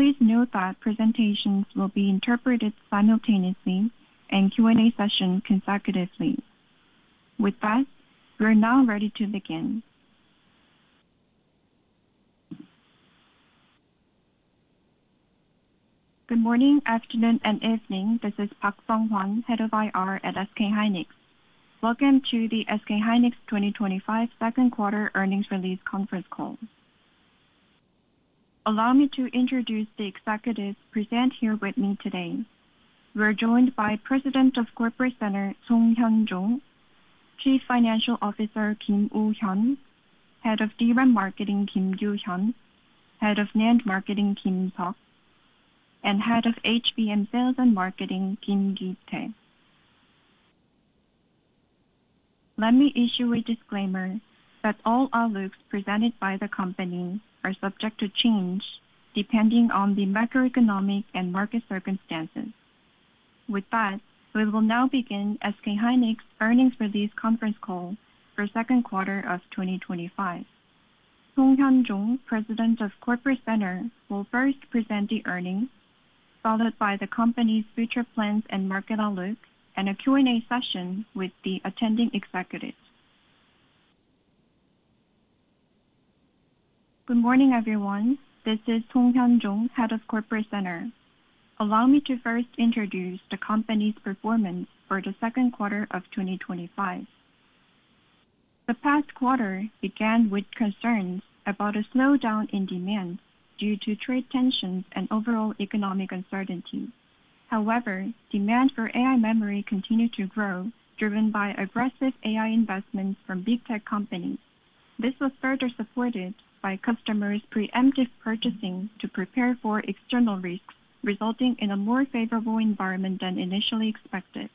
Please note that presentations will be interpreted simultaneously and Q&A sessions consecutively. With that, we're now ready to begin. Good morning, afternoon, and evening. This is Park Seong-Hwan, Head of IR at SK hynix. Welcome to the SK hynix 2025 second quarter earnings release conference call. Allow me to introduce the executives present here with me today. We're joined by President of Corporate Center, Chung Hyun-Joong, Chief Financial Officer, Kim Woo-Hyun, Head of DRAM Marketing, Kim Gyu-Hyun, Head of NAND Marketing, Kim Seok, and Head of HBM Sales and Marketing, Kim Gi-Tae. Let me issue a disclaimer that all outlooks presented by the company are subject to change depending on the macroeconomic and market circumstances. With that, we will now begin SK hynix earnings release conference call for second quarter of 2025. Chung Hyun-Joong, President of Corporate Center, will first present the earnings, followed by the company's future plans and market outlook, and a Q&A session with the attending executives. Good morning, everyone. This is Chung Hyun-Joong, Head of Corporate Center. Allow me to first introduce the company's performance for the second quarter of 2025. The past quarter began with concerns about a slowdown in demand due to trade tensions and overall economic uncertainty. However, demand for AI memory continued to grow, driven by aggressive AI investments from big tech companies. This was further supported by customers' preemptive purchasing to prepare for external risks, resulting in a more favorable environment than initially expected.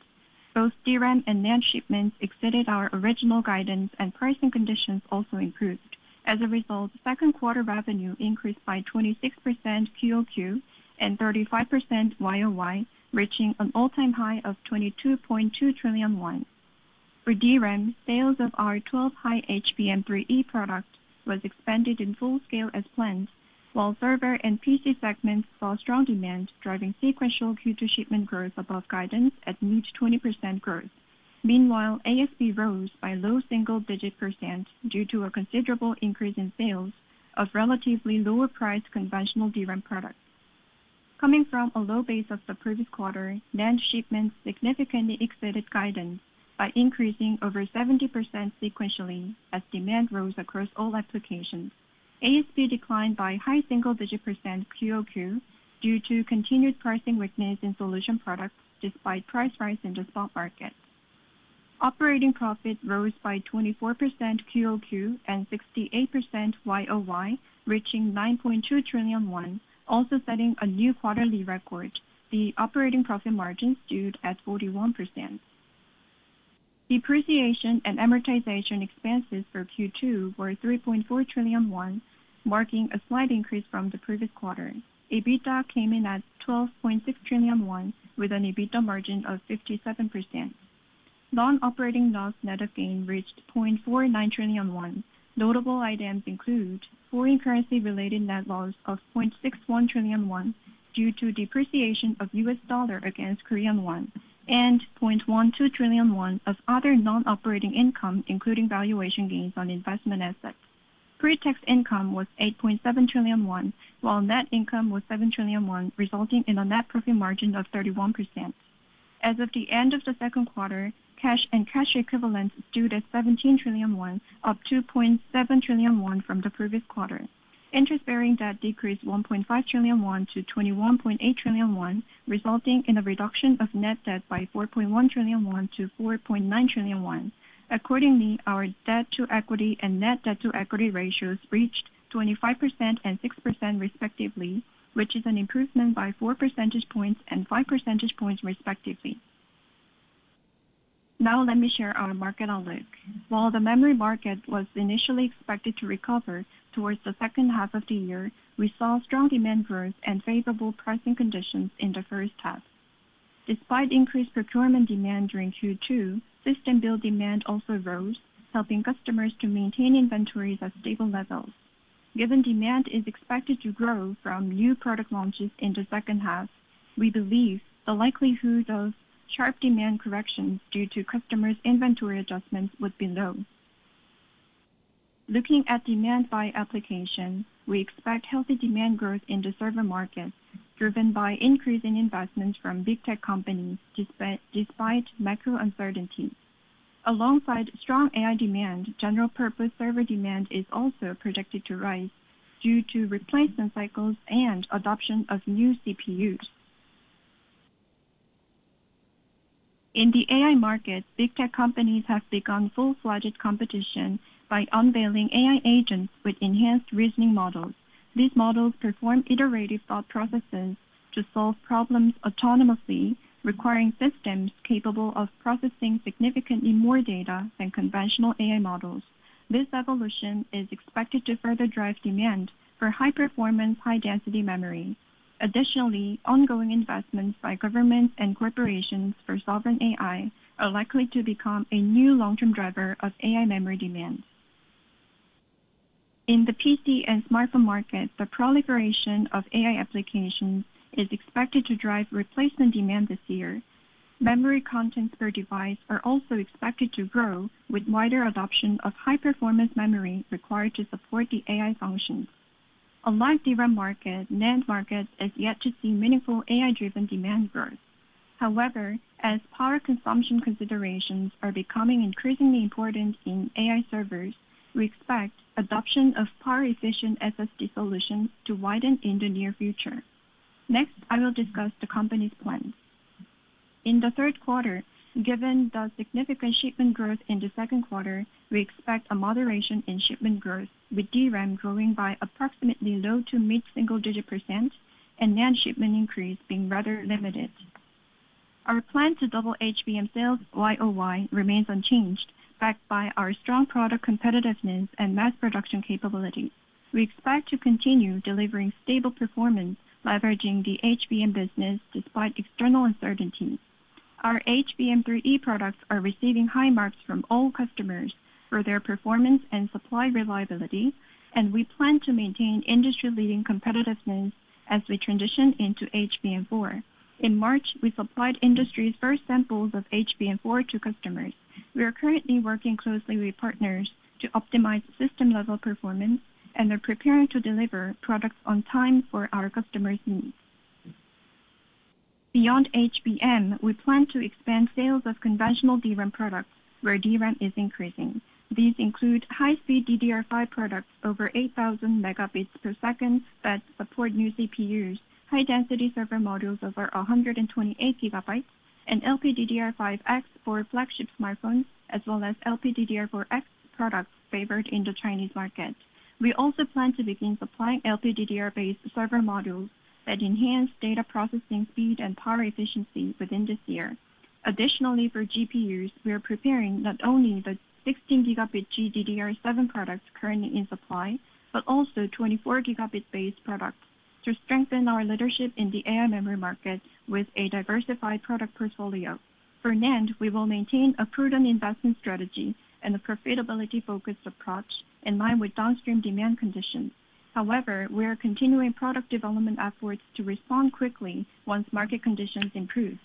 Both DRAM and NAND shipments exceeded our original guidance, and pricing conditions also improved. As a result, second quarter revenue increased by 26% Quarter-over-Quater and 35% Year-over-Year, reaching an all-time high of 22.2 trillion won. For DRAM, sales of our 12-high HBM3E product was expanded in full scale as planned, while server and PC segments saw strong demand, driving sequential Q2 shipment growth above guidance at near 20% growth. Meanwhile, ASB rose by low single-digit % due to a considerable increase in sales of relatively lower-priced conventional DRAM products. Coming from a low base of the previous quarter, NAND shipments significantly exceeded guidance by increasing over 70% sequentially as demand rose across all applications. ASB declined by high single-digit % Quarter-over-Quater due to continued pricing weakness in solution products despite price rise in the spot market. Operating profit rose by 24% Quarter-over-Quater and 68% Year-over-Year, reaching 9.2 trillion won, also setting a new quarterly record. The operating profit margin stood at 41%. Depreciation and amortization expenses for Q2 were 3.4 trillion won, marking a slight increase from the previous quarter. EBITDA came in at 12.6 trillion won, with an EBITDA margin of 57%. Non-operating loss net of gain reached 0.49 trillion won. Notable items include foreign currency-related net loss of 0.61 trillion won due to depreciation of US dollar against Korean won, and 0.12 trillion won of other non-operating income, including valuation gains on investment assets. Pre-tax income was 8.7 trillion won, while net income was 7 trillion won, resulting in a net profit margin of 31%. As of the end of the second quarter, cash and cash equivalents stood at 17 trillion won, up 2.7 trillion won from the previous quarter. Interest-bearing debt decreased 1.5 trillion won to 21.8 trillion won, resulting in a reduction of net debt by 4.1 trillion won to 4.9 trillion won. Accordingly, our debt-to-equity and net debt-to-equity ratios reached 25% and 6% respectively, which is an improvement by 4 percentage points and 5 percentage points respectively. Now, let me share our market outlook. While the memory market was initially expected to recover towards the second half of the year, we saw strong demand growth and favorable pricing conditions in the first half. Despite increased procurement demand during Q2, system-build demand also rose, helping customers to maintain inventories at stable levels. Given demand is expected to grow from new product launches in the second half, we believe the likelihood of sharp demand corrections due to customers' inventory adjustments would be low. Looking at demand by application, we expect healthy demand growth in the server market, driven by increasing investments from big tech companies despite macro uncertainty. Alongside strong AI demand, general-purpose server demand is also projected to rise due to replacement cycles and adoption of new CPUs. In the AI market, big tech companies have begun full-fledged competition by unveiling AI agents with enhanced reasoning models. These models perform iterative thought processes to solve problems autonomously, requiring systems capable of processing significantly more data than conventional AI models. This evolution is expected to further drive demand for high-performance, high-density memory. Additionally, ongoing investments by governments and corporations for sovereign AI are likely to become a new long-term driver of AI memory demand. In the PC and smartphone market, the proliferation of AI applications is expected to drive replacement demand this year. Memory contents per device are also expected to grow, with wider adoption of high-performance memory required to support the AI functions. Unlike the DRAM market, the NAND market has yet to see meaningful AI-driven demand growth. However, as power consumption considerations are becoming increasingly important in AI servers, we expect adoption of power-efficient SSD solutions to widen in the near future. Next, I will discuss the company's plans. In the third quarter, given the significant shipment growth in the second quarter, we expect a moderation in shipment growth, with DRAM growing by approximately low to mid single-digit percent, and NAND shipment increase being rather limited. Our plan to double HBM sales year over year remains unchanged, backed by our strong product competitiveness and mass production capability. We expect to continue delivering stable performance, leveraging the HBM business despite external uncertainties. Our HBM3E products are receiving high marks from all customers for their performance and supply reliability, and we plan to maintain industry-leading competitiveness as we transition into HBM4. In March, we supplied the industry's first samples of HBM4 to customers. We are currently working closely with partners to optimize system-level performance, and we're preparing to deliver products on time for our customers' needs. Beyond HBM, we plan to expand sales of conventional DRAM products, where DRAM is increasing. These include high-speed DDR5 products over 8,000 megabits per second that support new CPUs, high-density server modules over 128 gigabytes, and LPDDR5X for flagship smartphones, as well as LPDDR4X products favored in the Chinese market. We also plan to begin supplying LPDDR-based server modules that enhance data processing speed and power efficiency within this year. Additionally, for GPUs, we are preparing not only the 16-gigabit GDDR7 products currently in supply, but also 24-gigabit-based products to strengthen our leadership in the AI memory market with a diversified product portfolio. For NAND, we will maintain a prudent investment strategy and a profitability-focused approach in line with downstream demand conditions. However, we are continuing product development efforts to respond quickly once market conditions improve.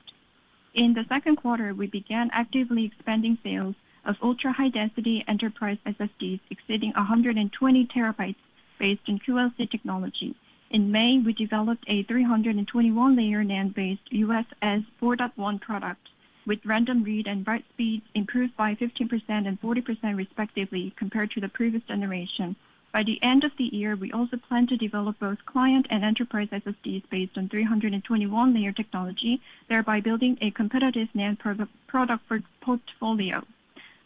In the second quarter, we began actively expanding sales of ultra-high-density enterprise SSDs exceeding 120 terabytes based in QLC technology. In May, we developed a 321-layer NAND-based UFS 4.1 product with random read and write speeds improved by 15% and 40% respectively compared to the previous generation. By the end of the year, we also plan to develop both client and enterprise SSDs based on 321-layer technology, thereby building a competitive NAND product portfolio.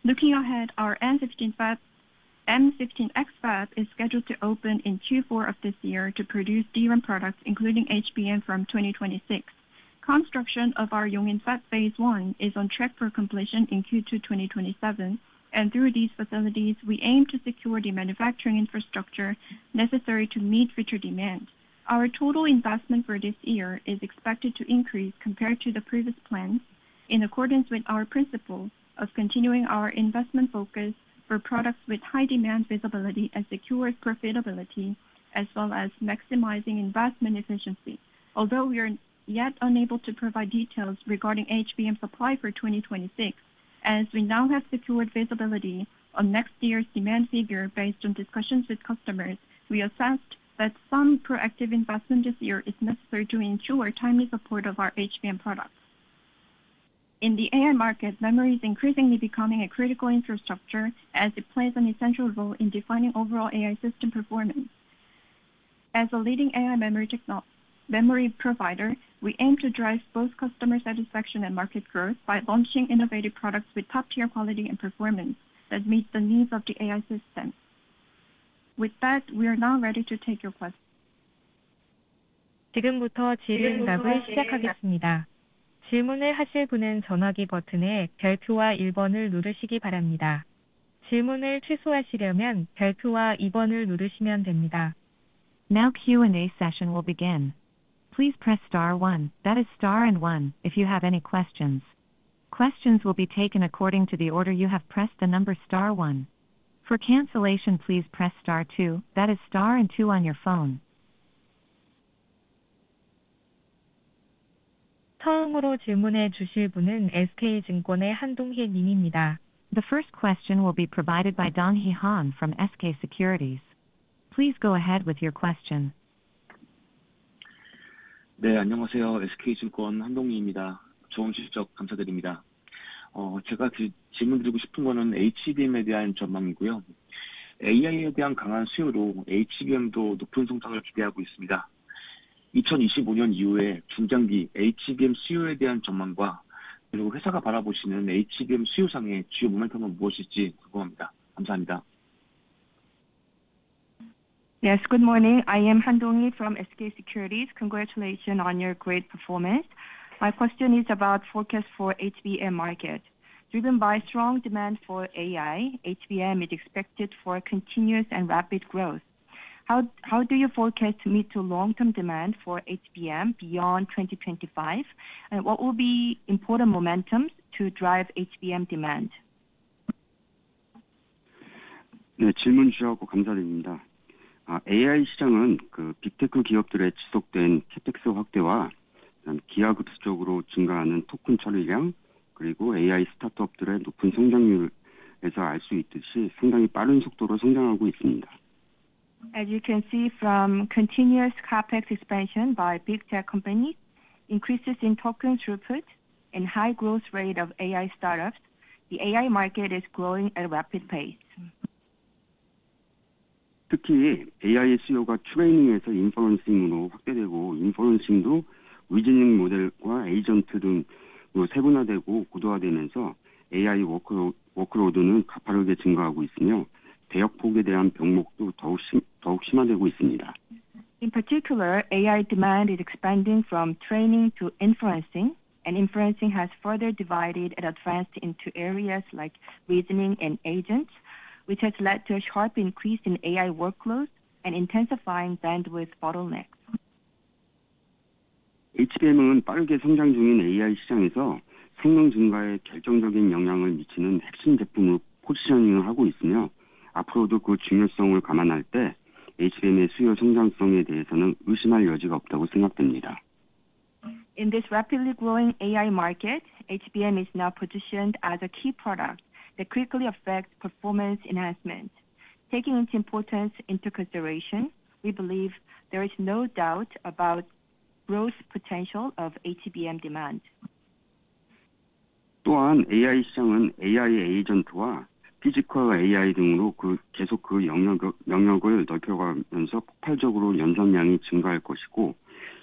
Looking ahead, our M15X fab is scheduled to open in Q4 of this year to produce DRAM products, including HBM from 2026. Construction of our Yongin Fab Phase One is on track for completion in Q2 2027, and through these facilities, we aim to secure the manufacturing infrastructure necessary to meet future demand. Our total investment for this year is expected to increase compared to the previous plans in accordance with our principle of continuing our investment focus for products with high demand visibility and secured profitability, as well as maximizing investment efficiency. Although we are yet unable to provide details regarding HBM supply for 2026, as we now have secured visibility on next year's demand figure based on discussions with customers, we assessed that some proactive investment this year is necessary to ensure timely support of our HBM products. In the AI market, memory is increasingly becoming a critical infrastructure as it plays an essential role in defining overall AI system performance. As a leading AI memory provider, we aim to drive both customer satisfaction and market growth by launching innovative products with top-tier quality and performance that meet the needs of the AI system. With that, we are now ready to take your questions. 지금부터 질의응답을 시작하겠습니다. 질문을 하실 분은 전화기 버튼의 별표와 1번을 누르시기 바랍니다. 질문을 취소하시려면 별표와 2번을 누르시면 됩니다. Now Q&A session will begin. Please press Star 1, that is Star and 1, if you have any questions. Questions will be taken according to the order you have pressed the number Star 1. For cancellation, please press Star 2, that is Star and 2 on your phone. 처음으로 질문해 주실 분은 SK Securities의 Han Donghee 님입니다. The first question will be provided by Donghee Han from SK Securities. Please go ahead with your question. 네, 안녕하세요. SK증권 한동희입니다. 좋은 질문 감사드립니다. 제가 질문드리고 싶은 것은 HBM에 대한 전망이고요. AI에 대한 강한 수요로 HBM도 높은 성장을 기대하고 있습니다. 2025년 이후에 중장기 HBM 수요에 대한 전망과, 그리고 회사가 바라보시는 HBM 수요상의 주요 모멘텀은 무엇일지 궁금합니다. 감사합니다. Yes, good morning. I am Han Donghee from SK Securities. Congratulations on your great performance. My question is about forecast for HBM market. Driven by strong demand for AI, HBM is expected for continuous and rapid growth. How do you forecast to meet the long-term demand for HBM beyond 2025? And what will be important momentums to drive HBM demand? 네, 질문 주셔서 감사드립니다. AI 시장은 빅테크 기업들의 지속된 CAPEX 확대와 기하급수적으로 증가하는 토큰 처리량, 그리고 AI 스타트업들의 높은 성장률에서 알수 있듯이 상당히 빠른 속도로 성장하고 있습니다. As you can see from continuous CAPEX expansion by big tech companies, increases in token throughput, and high growth rate of AI startups, the AI market is growing at a rapid pace. 특히 AI의 수요가 트레이닝에서 인퍼런싱으로 확대되고, 인퍼런싱도 위즈닝 모델과 에이전트 등으로 세분화되고 고도화되면서 AI 워크로드는 가파르게 증가하고 있으며, 대역폭에 대한 병목도 더욱 심화되고 있습니다. In particular, AI demand is expanding from training to inferencing, and inferencing has further divided and advanced into areas like reasoning and agents, which has led to a sharp increase in AI workloads and intensifying bandwidth bottlenecks. HBM은 빠르게 성장 중인 AI 시장에서 성능 증가에 결정적인 영향을 미치는 핵심 제품으로 포지셔닝을 하고 있으며, 앞으로도 그 중요성을 감안할 때 HBM의 수요 성장성에 대해서는 의심할 여지가 없다고 생각됩니다. In this rapidly growing AI market, HBM is now positioned as a key product that quickly affects performance enhancement. Taking its importance into consideration, we believe there is no doubt about growth potential of HBM demand. 또한 AI 시장은 AI 에이전트와 피지컬 AI 등으로 계속 그 영역을 넓혀가면서 폭발적으로 연산량이 증가할 것이고,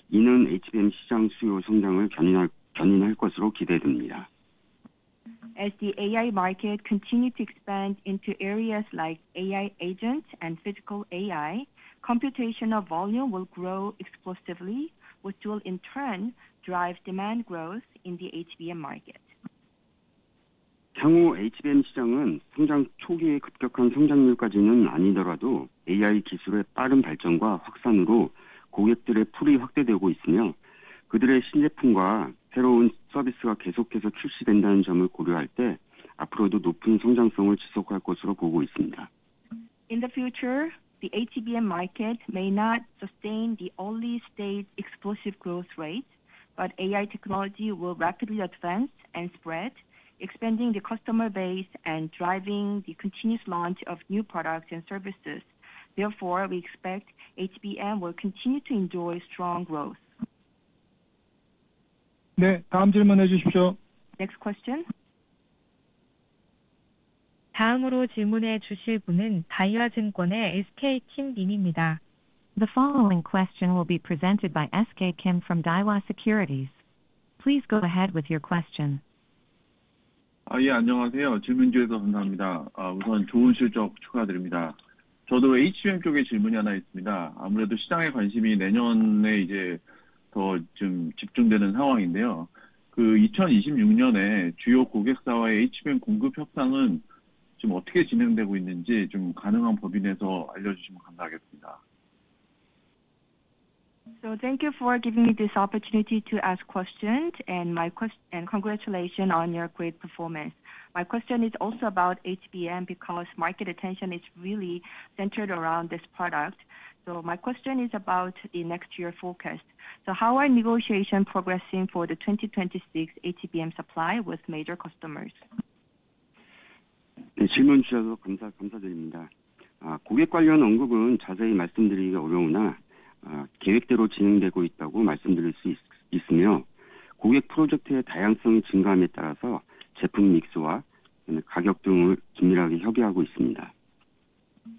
이는 HBM 시장 수요 성장을 견인할 것으로 기대됩니다. As the AI market continues to expand into areas like AI agents and physical AI, computational volume will grow explosively, which will in turn drive demand growth in the HBM market. 향후 HBM 시장은 성장 초기의 급격한 성장률까지는 아니더라도 AI 기술의 빠른 발전과 확산으로 고객들의 풀이 확대되고 있으며, 그들의 신제품과 새로운 서비스가 계속해서 출시된다는 점을 고려할 때 앞으로도 높은 성장성을 지속할 것으로 보고 있습니다. In the future, the HBM market may not sustain the early-stage explosive growth rate, but AI technology will rapidly advance and spread, expanding the customer base and driving the continuous launch of new products and services. Therefore, we expect HBM will continue to enjoy strong growth. 네, 다음 질문해 주십시오. Next question. 다음으로 질문해 주실 분은 다이와증권의 SK팀 님입니다. The following question will be presented by SK Kim from Daiwa Securities. Please go ahead with your question. 예, 안녕하세요. 질문 주셔서 감사합니다. 우선 좋은 실적 축하드립니다. 저도 HBM 쪽에 질문이 하나 있습니다. 아무래도 시장의 관심이 내년에 이제 더좀 집중되는 상황인데요. 그 2026년에 주요 고객사와의 HBM 공급 협상은 지금 어떻게 진행되고 있는지 좀 가능한 범위 내에서 알려주시면 감사하겠습니다. So thank you for giving me this opportunity to ask questions, and congratulations on your great performance. My question is also about HBM because market attention is really centered around this product. My question is about the next year focus. How are negotiations progressing for the 2026 HBM supply with major customers? 질문 주셔서 감사드립니다. 고객 관련 언급은 자세히 말씀드리기 어려우나 계획대로 진행되고 있다고 말씀드릴 수 있으며, 고객 프로젝트의 다양성이 증가함에 따라서 제품 믹스와 가격 등을 긴밀하게 협의하고 있습니다.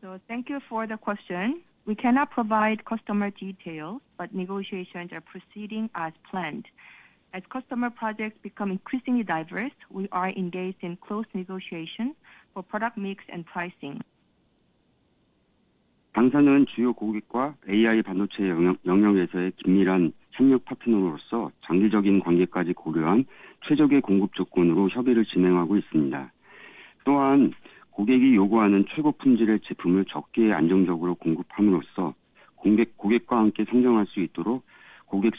So thank you for the question. We cannot provide customer details, but negotiations are proceeding as planned. As customer projects become increasingly diverse, we are engaged in close negotiations for product mix and pricing. 당사는 주요 고객과 AI 반도체 영역에서의 긴밀한 협력 파트너로서 장기적인 관계까지 고려한 최적의 공급 조건으로 협의를 진행하고 있습니다. 또한 고객이 요구하는 최고 품질의 제품을 적게 안정적으로 공급함으로써 고객과 함께 성장할 수 있도록 고객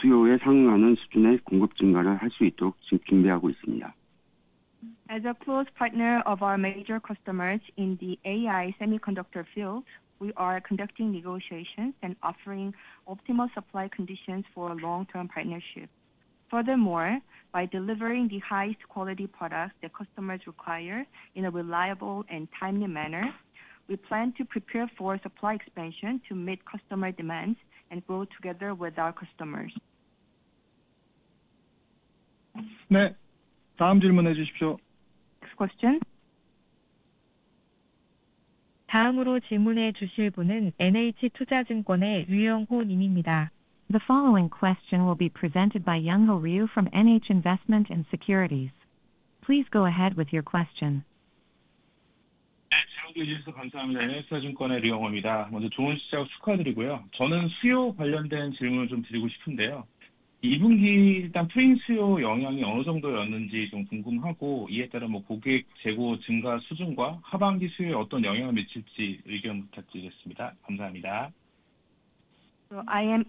수요에 상응하는 수준의 공급 증가를 할수 있도록 지금 준비하고 있습니다. As a close partner of our major customers in the AI semiconductor field, we are conducting negotiations and offering optimal supply conditions for a long-term partnership. Furthermore, by delivering the highest quality products that customers require in a reliable and timely manner, we plan to prepare for supply expansion to meet customer demands and grow together with our customers. 네, 다음 질문해 주십시오. Next question. 다음으로 질문해 주실 분은 NH Investment & Securities의 류영호 님입니다. The following question will be presented by Youngho Ryu from NH Investment & Securities. Please go ahead with your question. 네, 질문해 주셔서 감사합니다. NH Investment & Securities의 류영호입니다. 먼저 좋은 시작 축하드리고요. 저는 수요 관련된 질문을 좀 드리고 싶은데요. 2분기 일단 프린트 수요 영향이 어느 정도였는지 좀 궁금하고, 이에 따라 고객 재고 증가 수준과 하반기 수요에 어떤 영향을 미칠지 의견 부탁드리겠습니다. 감사합니다. My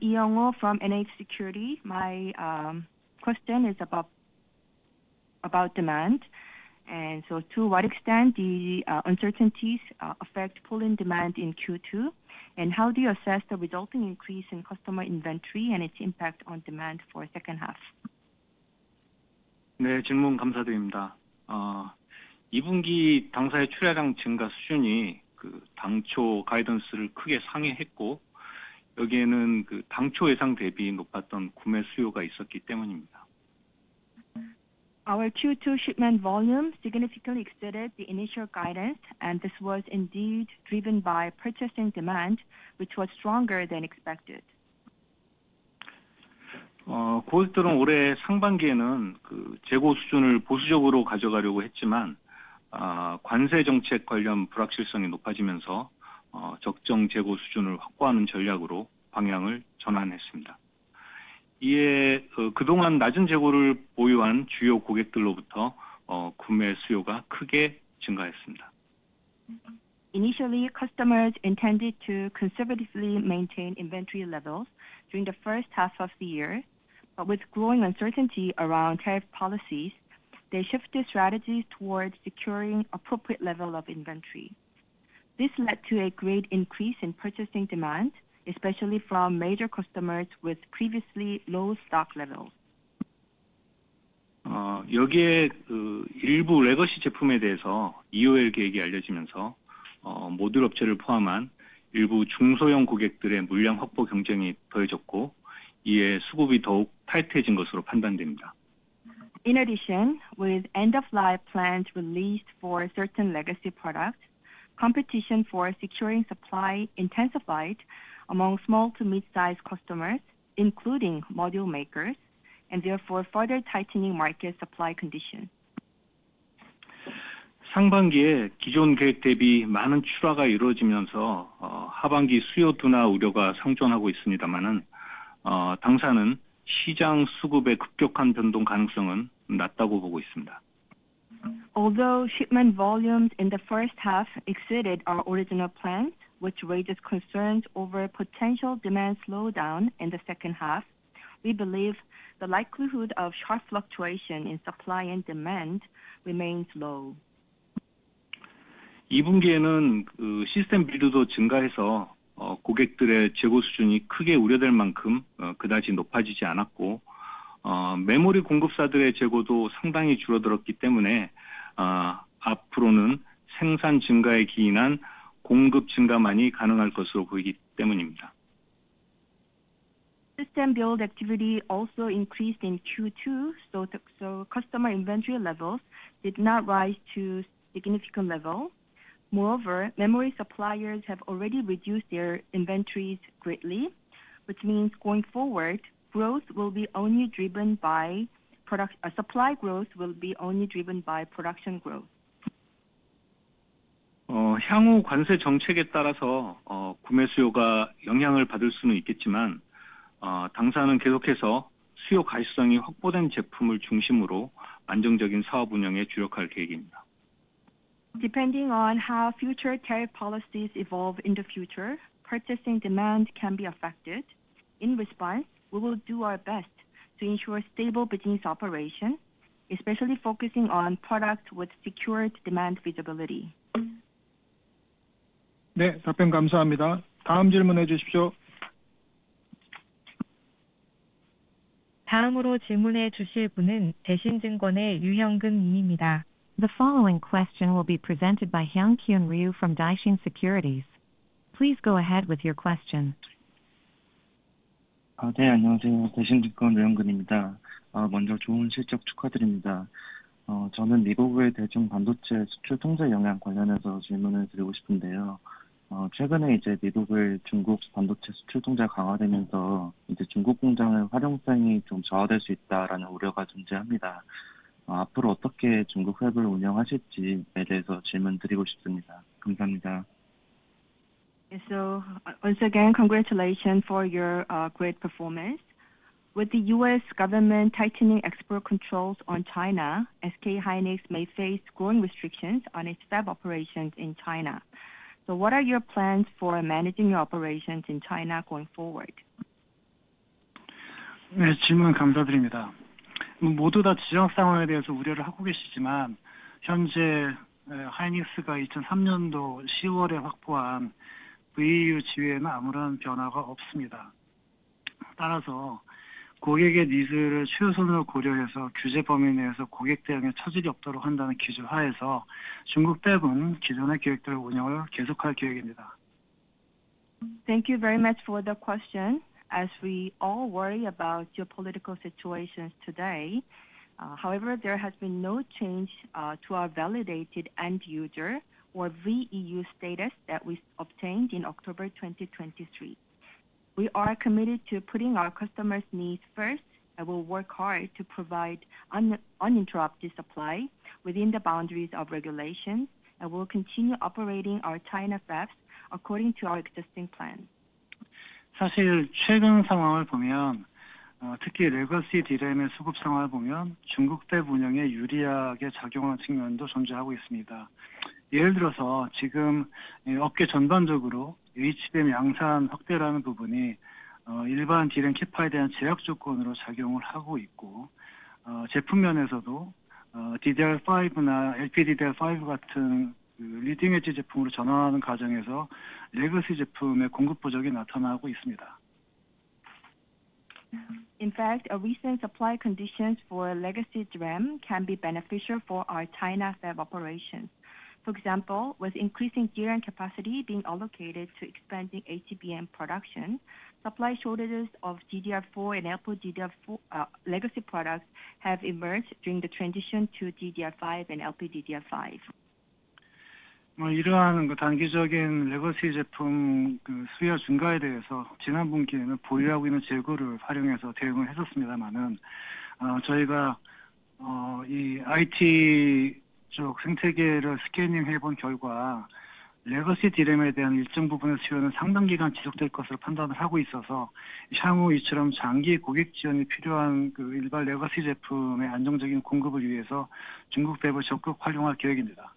question is about demand. To what extent did the uncertainties affect pulling demand in Q2, and how do you assess the resulting increase in customer inventory and its impact on demand for the second half? 네, 질문 감사드립니다. 2분기 당사의 출하량 증가 수준이 당초 가이던스를 크게 상회했고, 여기에는 당초 예상 대비 높았던 구매 수요가 있었기 때문입니다. Our Q2 shipment volume significantly exceeded the initial guidance, and this was indeed driven by purchasing demand, which was stronger than expected. 고객들은 올해 상반기에는 재고 수준을 보수적으로 가져가려고 했지만. 관세 정책 관련 불확실성이 높아지면서. 적정 재고 수준을 확보하는 전략으로 방향을 전환했습니다. 이에 그동안 낮은 재고를 보유한 주요 고객들로부터 구매 수요가 크게 증가했습니다. Initially, customers intended to conservatively maintain inventory levels during the first half of the year, but with growing uncertainty around tariff policies, they shifted strategies towards securing an appropriate level of inventory. This led to a great increase in purchasing demand, especially from major customers with previously low stock levels. 여기에. 일부 레거시 제품에 대해서 EOL 계획이 알려지면서. 모듈 업체를 포함한 일부 중소형 고객들의 물량 확보 경쟁이 더해졌고, 이에 수급이 더욱 타이트해진 것으로 판단됩니다. In addition, with end-of-life plans released for certain legacy products, competition for securing supply intensified among small to mid-sized customers, including module makers, and therefore further tightening market supply conditions. 상반기에 기존 계획 대비 많은 출하가 이루어지면서 하반기 수요 둔화 우려가 상존하고 있습니다만. 당사는 시장 수급의 급격한 변동 가능성은 낮다고 보고 있습니다. Although shipment volumes in the first half exceeded our original plans, which raises concerns over potential demand slowdown in the second half, we believe the likelihood of sharp fluctuation in supply and demand remains low. 2 분기에는 시스템 빌드도 증가해서 고객들의 재고 수준이 크게 우려될 만큼 그다지 높아지지 않았고. 메모리 공급사들의 재고도 상당히 줄어들었기 때문에. 앞으로는 생산 증가에 기인한 공급 증가만이 가능할 것으로 보이기 때문입니다. System build activity also increased in Q2, so customer inventory levels did not rise to a significant level. Moreover, memory suppliers have already reduced their inventories greatly, which means going forward, supply growth will be only driven by production growth. 향후 관세 정책에 따라서 구매 수요가 영향을 받을 수는 있겠지만. 당사는 계속해서 수요 가시성이 확보된 제품을 중심으로 안정적인 사업 운영에 주력할 계획입니다. Depending on how future tariff policies evolve in the future, purchasing demand can be affected. In response, we will do our best to ensure stable business operation, especially focusing on products with secured demand visibility. 네, 답변 감사합니다. 다음 질문해 주십시오. 다음으로 질문해 주실 분은 대신증권의 류영근 님입니다. The following question will be presented by Hyun-Kyun Ryu from Daishin Securities. Please go ahead with your question. 네, 안녕하세요. 대신증권 류영근입니다. 먼저 좋은 실적 축하드립니다. 저는 미국을 대충 반도체 수출 통제 영향 관련해서 질문을 드리고 싶은데요. 최근에 이제 미국을 중국 반도체 수출 통제가 강화되면서 이제 중국 공장의 활용성이 좀 저하될 수 있다라는 우려가 존재합니다. 앞으로 어떻게 중국 홑을 운영하실지에 대해서 질문 드리고 싶습니다. 감사합니다. So once again, congratulations for your great performance. With the US government tightening export controls on China, SK hynix may face growing restrictions on its fab operations in China. What are your plans for managing your operations in China going forward? 네, 질문 감사드립니다. 모두 다 지정학 상황에 대해서 우려를 하고 계시지만 현재. 하이닉스가 2003년도 10월에 확보한. VEU 지위에는 아무런 변화가 없습니다. 따라서 고객의 니즈를 최우선으로 고려해서 규제 범위 내에서 고객 대응에 차질이 없도록 한다는 기준 하에서 중국 팹은 기존의 계획대로 운영을 계속할 계획입니다. Thank you very much for the question. As we all worry about geopolitical situations today. However, there has been no change to our validated end user or VEU status that we obtained in October 2023. We are committed to putting our customers' needs first and will work hard to provide uninterrupted supply within the boundaries of regulations and will continue operating our China fabs according to our existing plan. 사실 최근 상황을 보면. 특히 레거시 D램의 수급 상황을 보면 중국 팹 운영에 유리하게 작용하는 측면도 존재하고 있습니다. 예를 들어서 지금. 업계 전반적으로 HBM 양산 확대라는 부분이 일반 D램 캐파에 대한 제약 조건으로 작용을 하고 있고. 제품 면에서도. DDR5나 LPDDR5 같은. 리딩 엣지 제품으로 전환하는 과정에서 레거시 제품의 공급 부족이 나타나고 있습니다. In fact, recent supply conditions for legacy DRAM can be beneficial for our China fab operations. For example, with increasing DRAM capacity being allocated to expanding HBM production, supply shortages of DDR4 and LPDDR4 legacy products have emerged during the transition to DDR5 and LPDDR5. 이러한 단기적인 레거시 제품. 수요 증가에 대해서 지난 분기에는 보유하고 있는 재고를 활용해서 대응을 했었습니다만. 저희가. 이 IT. 쪽 생태계를 스캐닝해 본 결과. 레거시 D램에 대한 일정 부분의 수요는 상당 기간 지속될 것으로 판단을 하고 있어서 향후 이처럼 장기 고객 지원이 필요한 일반 레거시 제품의 안정적인 공급을 위해서 중국 팹을 적극 활용할 계획입니다.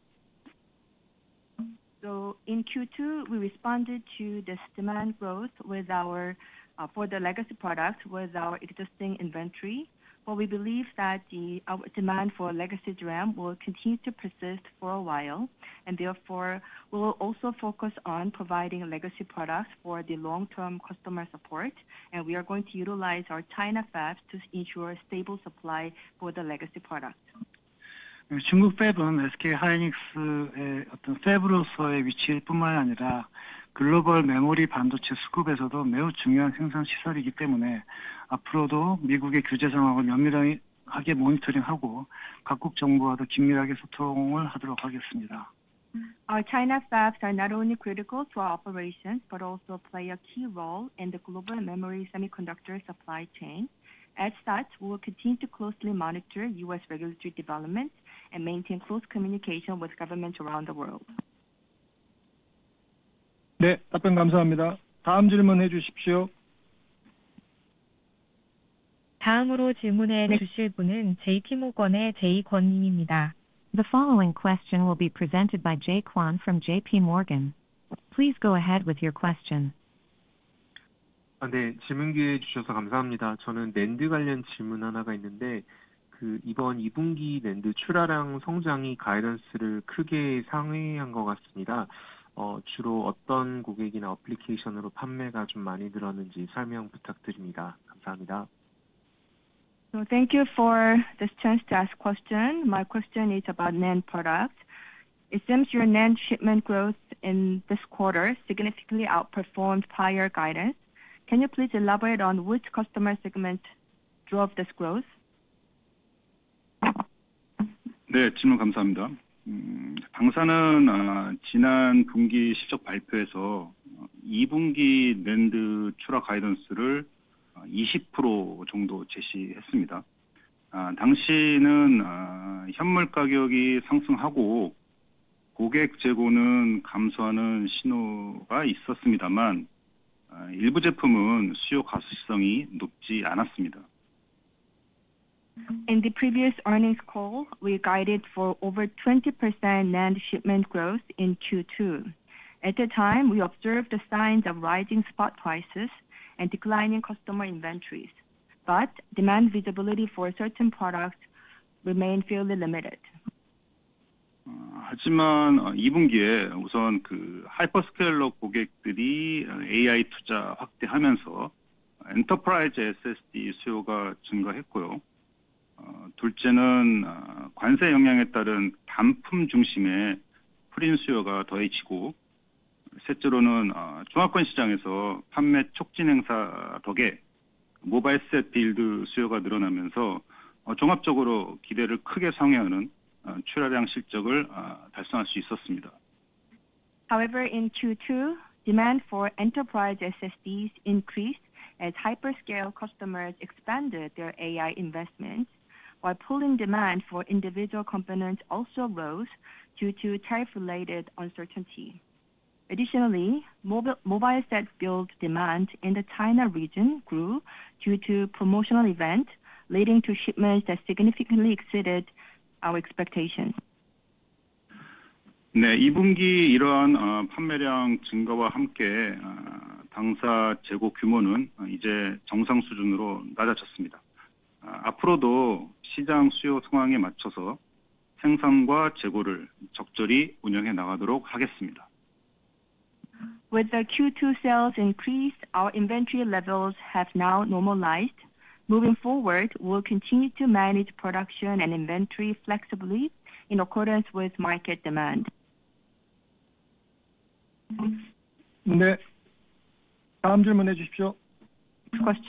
So in Q2, we responded to this demand growth for the legacy products with our existing inventory, but we believe that the demand for legacy DRAM will continue to persist for a while, and therefore we will also focus on providing legacy products for the long-term customer support, and we are going to utilize our China fabs to ensure stable supply for the legacy products. 중국 팹은 SK hynix의 팹으로서의 위치일 뿐만 아니라 글로벌 메모리 반도체 수급에서도 매우 중요한 생산 시설이기 때문에 앞으로도 미국의 규제 상황을 면밀하게 모니터링하고 각국 정부와도 긴밀하게 소통을 하도록 하겠습니다. Our China fabs are not only critical to our operations but also play a key role in the global memory semiconductor supply chain. As such, we will continue to closely monitor US regulatory developments and maintain close communication with governments around the world. 네, 답변 감사합니다. 다음 질문해 주십시오. 다음으로 질문해 주실 분은 JP Morgan의 제이 권 님입니다. The following question will be presented by Jay Kwon from JP Morgan. Please go ahead with your question. 네, 질문 기회 주셔서 감사합니다. 저는 낸드 관련 질문 하나가 있는데, 이번 2분기 낸드 출하량 성장이 가이던스를 크게 상회한 것 같습니다. 주로 어떤 고객이나 어플리케이션으로 판매가 좀 많이 늘었는지 설명 부탁드립니다. 감사합니다. Thank you for this chance to ask questions. My question is about NAND products. It seems your NAND shipment growth in this quarter significantly outperformed prior guidance. Can you please elaborate on which customer segment drove this growth? 네, 질문 감사합니다. 당사는 지난 분기 실적 발표에서. 2분기 낸드 출하 가이던스를. 20% 정도 제시했습니다. 당시는. 현물 가격이 상승하고. 고객 재고는 감소하는 신호가 있었습니다만. 일부 제품은 수요 가시성이 높지 않았습니다. In the previous earnings call, we guided for over 20% NAND shipment growth in Q2. At the time, we observed the signs of rising spot prices and declining customer inventories, but demand visibility for certain products remained fairly limited. 하지만 2분기에 우선 하이퍼 스케일러 고객들이 AI 투자 확대하면서. 엔터프라이즈 SSD 수요가 증가했고요. 둘째는 관세 영향에 따른 반품 중심의 프린 수요가 더해지고. 셋째로는 중화권 시장에서 판매 촉진 행사 덕에 모바일 셋 빌드 수요가 늘어나면서 종합적으로 기대를 크게 상회하는 출하량 실적을 달성할 수 있었습니다. However, in Q2, demand for enterprise SSDs increased as hyperscale customers expanded their AI investments, while pulling demand for individual components also rose due to tariff-related uncertainty. Additionally, mobile set build demand in the China region grew due to promotional events leading to shipments that significantly exceeded our expectations. 네, 2분기 이러한 판매량 증가와 함께. 당사 재고 규모는 이제 정상 수준으로 낮아졌습니다. 앞으로도 시장 수요 상황에 맞춰서 생산과 재고를 적절히 운영해 나가도록 하겠습니다. With the Q2 sales increase, our inventory levels have now normalized. Moving forward, we will continue to manage production and inventory flexibly in accordance with market demand. 네. 다음 질문해 주십시오. Next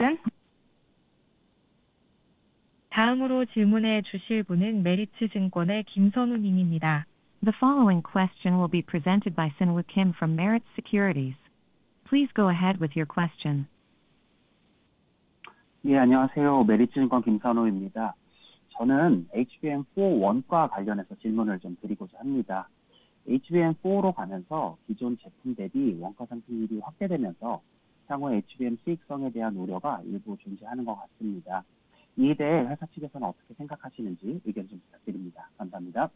question. 다음으로 질문해 주실 분은 메리츠증권의 김선우 님입니다. The following question will be presented by Seung-woo Kim from Meritz Securities. Please go ahead with your question. 네, 안녕하세요. 메리츠증권 김선우입니다. 저는 HBM 4 원가 관련해서 질문을 좀 드리고자 합니다. HBM 4로 가면서 기존 제품 대비 원가 상승률이 확대되면서 향후 HBM 수익성에 대한 우려가 일부 존재하는 것 같습니다. 이에 대해 회사 측에서는 어떻게 생각하시는지 의견 좀 부탁드립니다. 감사합니다.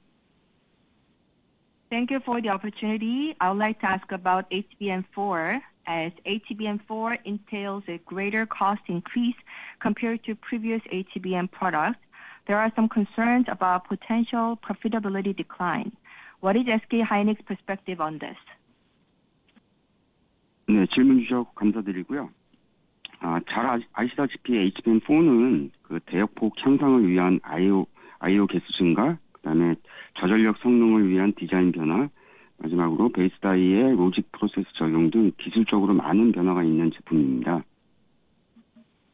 Thank you for the opportunity. I would like to ask about HBM4. As HBM4 entails a greater cost increase compared to previous HBM products, there are some concerns about potential profitability decline. What is SK hynix's perspective on this? 네, 질문 주셔서 감사드리고요. 잘 아시다시피 HBM4는 대역폭 향상을 위한. IO 개수 증가, 그다음에 저전력 성능을 위한 디자인 변화, 마지막으로 베이스다이의 로직 프로세스 적용 등 기술적으로 많은 변화가 있는 제품입니다.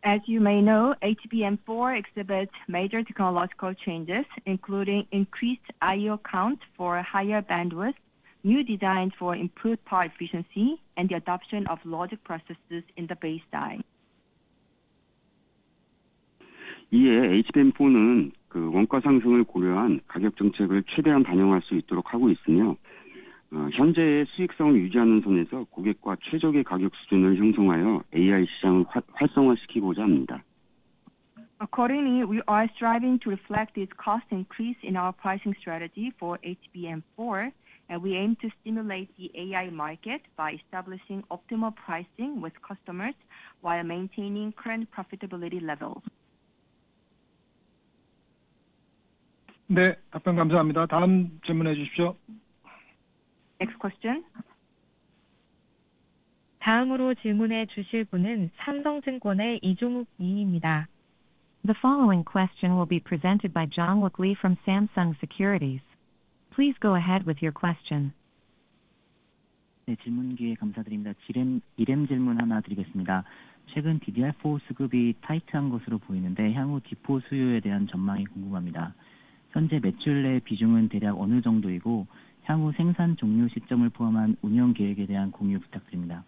As you may know, HBM4 exhibits major technological changes, including increased IO counts for higher bandwidth, new designs for improved power efficiency, and the adoption of logic processes in the base die. 이에 HBM4는 원가 상승을 고려한 가격 정책을 최대한 반영할 수 있도록 하고 있으며. 현재의 수익성을 유지하는 선에서 고객과 최적의 가격 수준을 형성하여 AI 시장을 활성화시키고자 합니다. Accordingly, we are striving to reflect this cost increase in our pricing strategy for HBM4, and we aim to stimulate the AI market by establishing optimal pricing with customers while maintaining current profitability levels. 네, 답변 감사합니다. 다음 질문해 주십시오. Next question. 다음으로 질문해 주실 분은 삼성증권의 이종욱 님입니다. The following question will be presented by Jong-wook Lee from Samsung Securities. Please go ahead with your question. 네, 질문 기회 감사드립니다. D램 질문 하나 드리겠습니다. 최근 DDR4 수급이 타이트한 것으로 보이는데 향후 D4 수요에 대한 전망이 궁금합니다. 현재 매출 내 비중은 대략 어느 정도이고 향후 생산 종료 시점을 포함한 운영 계획에 대한 공유 부탁드립니다.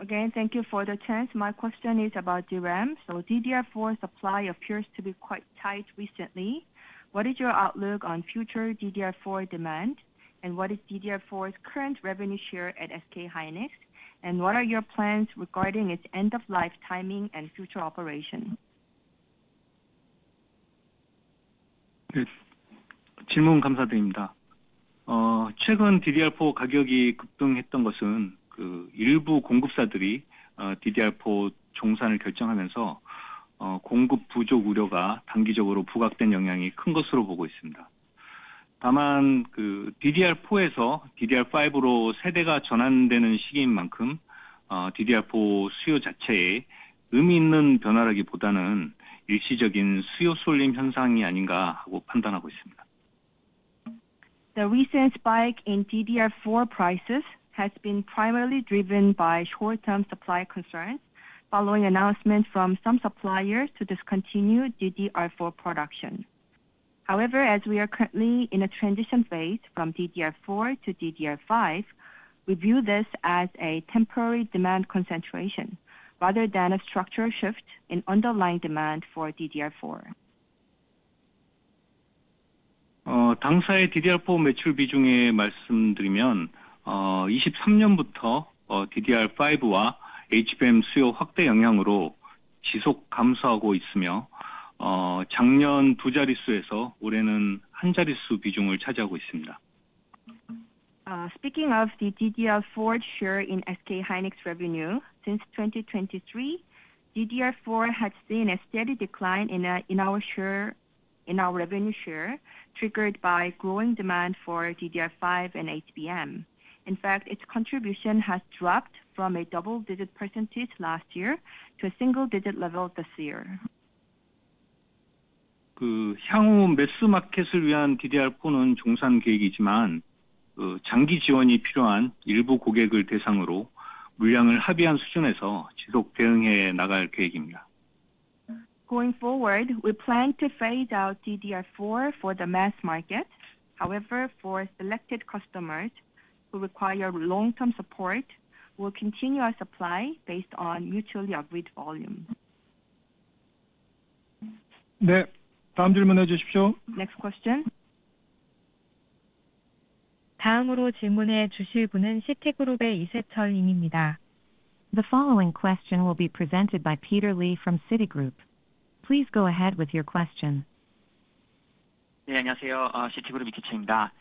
Again, thank you for the chance. My question is about DRAM. So DDR4 supply appears to be quite tight recently. What is your outlook on future DDR4 demand, and what is DDR4's current revenue share at SK hynix, and what are your plans regarding its end-of-life timing and future operation? 질문 감사드립니다. 최근 DDR4 가격이 급등했던 것은 일부 공급사들이 DDR4 종산을 결정하면서. 공급 부족 우려가 단기적으로 부각된 영향이 큰 것으로 보고 있습니다. 다만. DDR4에서 DDR5로 세대가 전환되는 시기인 만큼. DDR4 수요 자체에 의미 있는 변화라기보다는 일시적인 수요 쏠림 현상이 아닌가 하고 판단하고 있습니다. The recent spike in DDR4 prices has been primarily driven by short-term supply concerns following announcements from some suppliers to discontinue DDR4 production. However, as we are currently in a transition phase from DDR4 to DDR5, we view this as a temporary demand concentration rather than a structural shift in underlying demand for DDR4. 당사의 DDR4 매출 비중을 말씀드리면. 2023년부터 DDR5와 HBM 수요 확대 영향으로 지속 감소하고 있으며. 작년 두 자릿수에서 올해는 한 자릿수 비중을 차지하고 있습니다. Speaking of the DDR4 share in SK hynix revenue, since 2023, DDR4 has seen a steady decline in our revenue share triggered by growing demand for DDR5 and HBM. In fact, its contribution has dropped from a double-digit percentage last year to a single-digit level this year. 향후 매수 마켓을 위한 DDR4는 종산 계획이지만. 장기 지원이 필요한 일부 고객을 대상으로 물량을 합의한 수준에서 지속 대응해 나갈 계획입니다. Going forward, we plan to phase out DDR4 for the mass market. However, for selected customers who require long-term support, we will continue our supply based on mutually agreed volume. 네, 다음 질문해 주십시오. Next question. 다음으로 질문해 주실 분은 Citigroup의 이세철 님입니다. The following question will be presented by Peter Lee from Citigroup. Please go ahead with your question. 네, 안녕하세요. Citigroup 이세철입니다.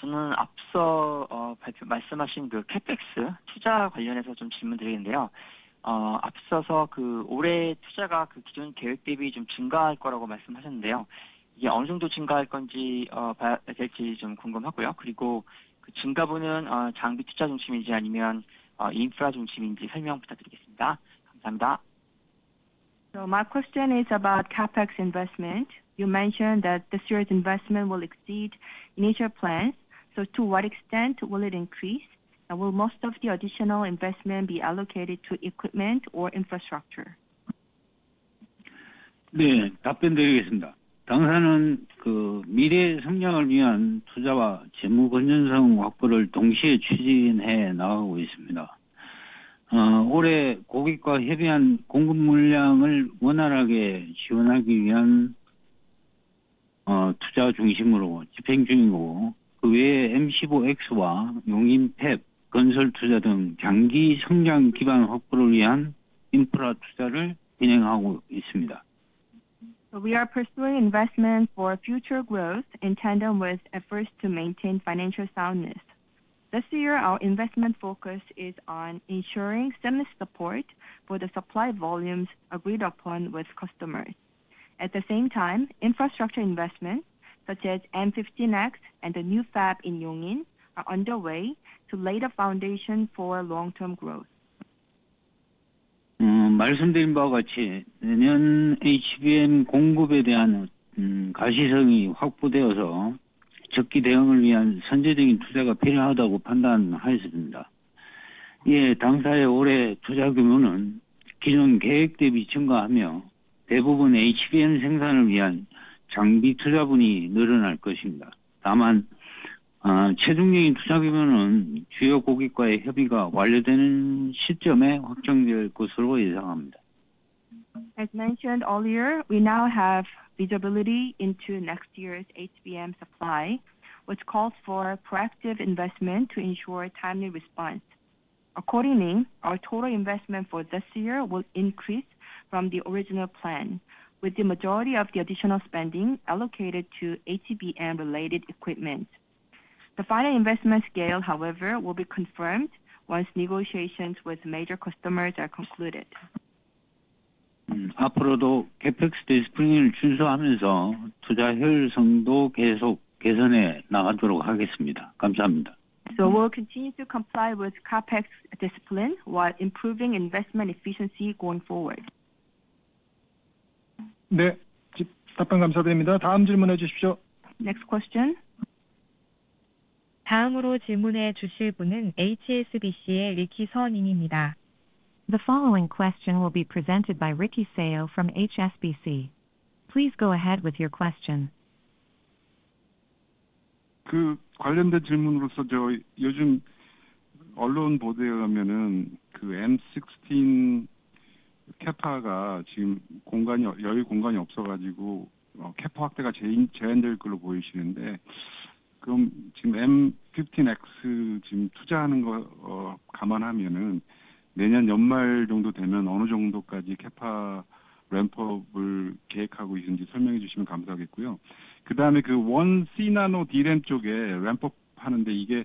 저는 앞서. 말씀하신 그 CAPEX 투자 관련해서 좀 질문 드리는데요. 앞서서 그 올해 투자가 그 기존 계획 대비 좀 증가할 거라고 말씀하셨는데요. 이게 어느 정도 증가할 건지. 될지 좀 궁금하고요. 그리고 그 증가분은 장비 투자 중심인지 아니면 인프라 중심인지 설명 부탁드리겠습니다. 감사합니다. So my question is about CAPEX investment. You mentioned that this year's investment will exceed initial plans. To what extent will it increase, and will most of the additional investment be allocated to equipment or infrastructure? 네, 답변 드리겠습니다. 당사는 그 미래 성장을 위한 투자와 재무 건전성 확보를 동시에 추진해 나가고 있습니다. 올해 고객과 협의한 공급 물량을 원활하게 지원하기 위한. 투자 중심으로 집행 중이고, 그 외에 M15X와 용인 팹 건설 투자 등 장기 성장 기반 확보를 위한 인프라 투자를 진행하고 있습니다 . We are pursuing investment for future growth in tandem with efforts to maintain financial soundness. This year, our investment focus is on ensuring seamless support for the supply volumes agreed upon with customers. At the same time, infrastructure investments such as M15X and the new fab in Yongin are underway to lay the foundation for long-term growth. 말씀드린 바와 같이 내년 HBM 공급에 대한. 가시성이 확보되어서 적기 대응을 위한 선제적인 투자가 필요하다고 판단하였습니다. 이에 당사의 올해 투자 규모는 기존 계획 대비 증가하며 대부분 HBM 생산을 위한 장비 투자분이 늘어날 것입니다. 다만. 최종적인 투자 규모는 주요 고객과의 협의가 완료되는 시점에 확정될 것으로 예상합니다. As mentioned earlier, we now have visibility into next year's HBM supply, which calls for proactive investment to ensure timely response. Accordingly, our total investment for this year will increase from the original plan, with the majority of the additional spending allocated to HBM-related equipment. The final investment scale, however, will be confirmed once negotiations with major customers are concluded. 앞으로도 CAPEX discipline을 준수하면서 투자 효율성도 계속 개선해 나가도록 하겠습니다. 감사합니다. So we will continue to comply with CAPEX discipline while improving investment efficiency going forward. 네, 답변 감사드립니다. 다음 질문해 주십시오. Next question. 다음으로 질문해 주실 분은 HSBC의 리키 서 님입니다. The following question will be presented by Ricky Seo from HSBC. Please go ahead with your question. 그 관련된 질문으로서 저 요즘. 언론 보도에 의하면 M16. 캐파가 지금 공간이 여유 공간이 없어가지고 캐파 확대가 제한될 걸로 보이시는데. 그럼 지금 M15X 지금 투자하는 거 감안하면 내년 연말 정도 되면 어느 정도까지 캐파 램프업을 계획하고 있는지 설명해 주시면 감사하겠고요. 그다음에 그원 C나노 D램 쪽에 램프업하는데 이게.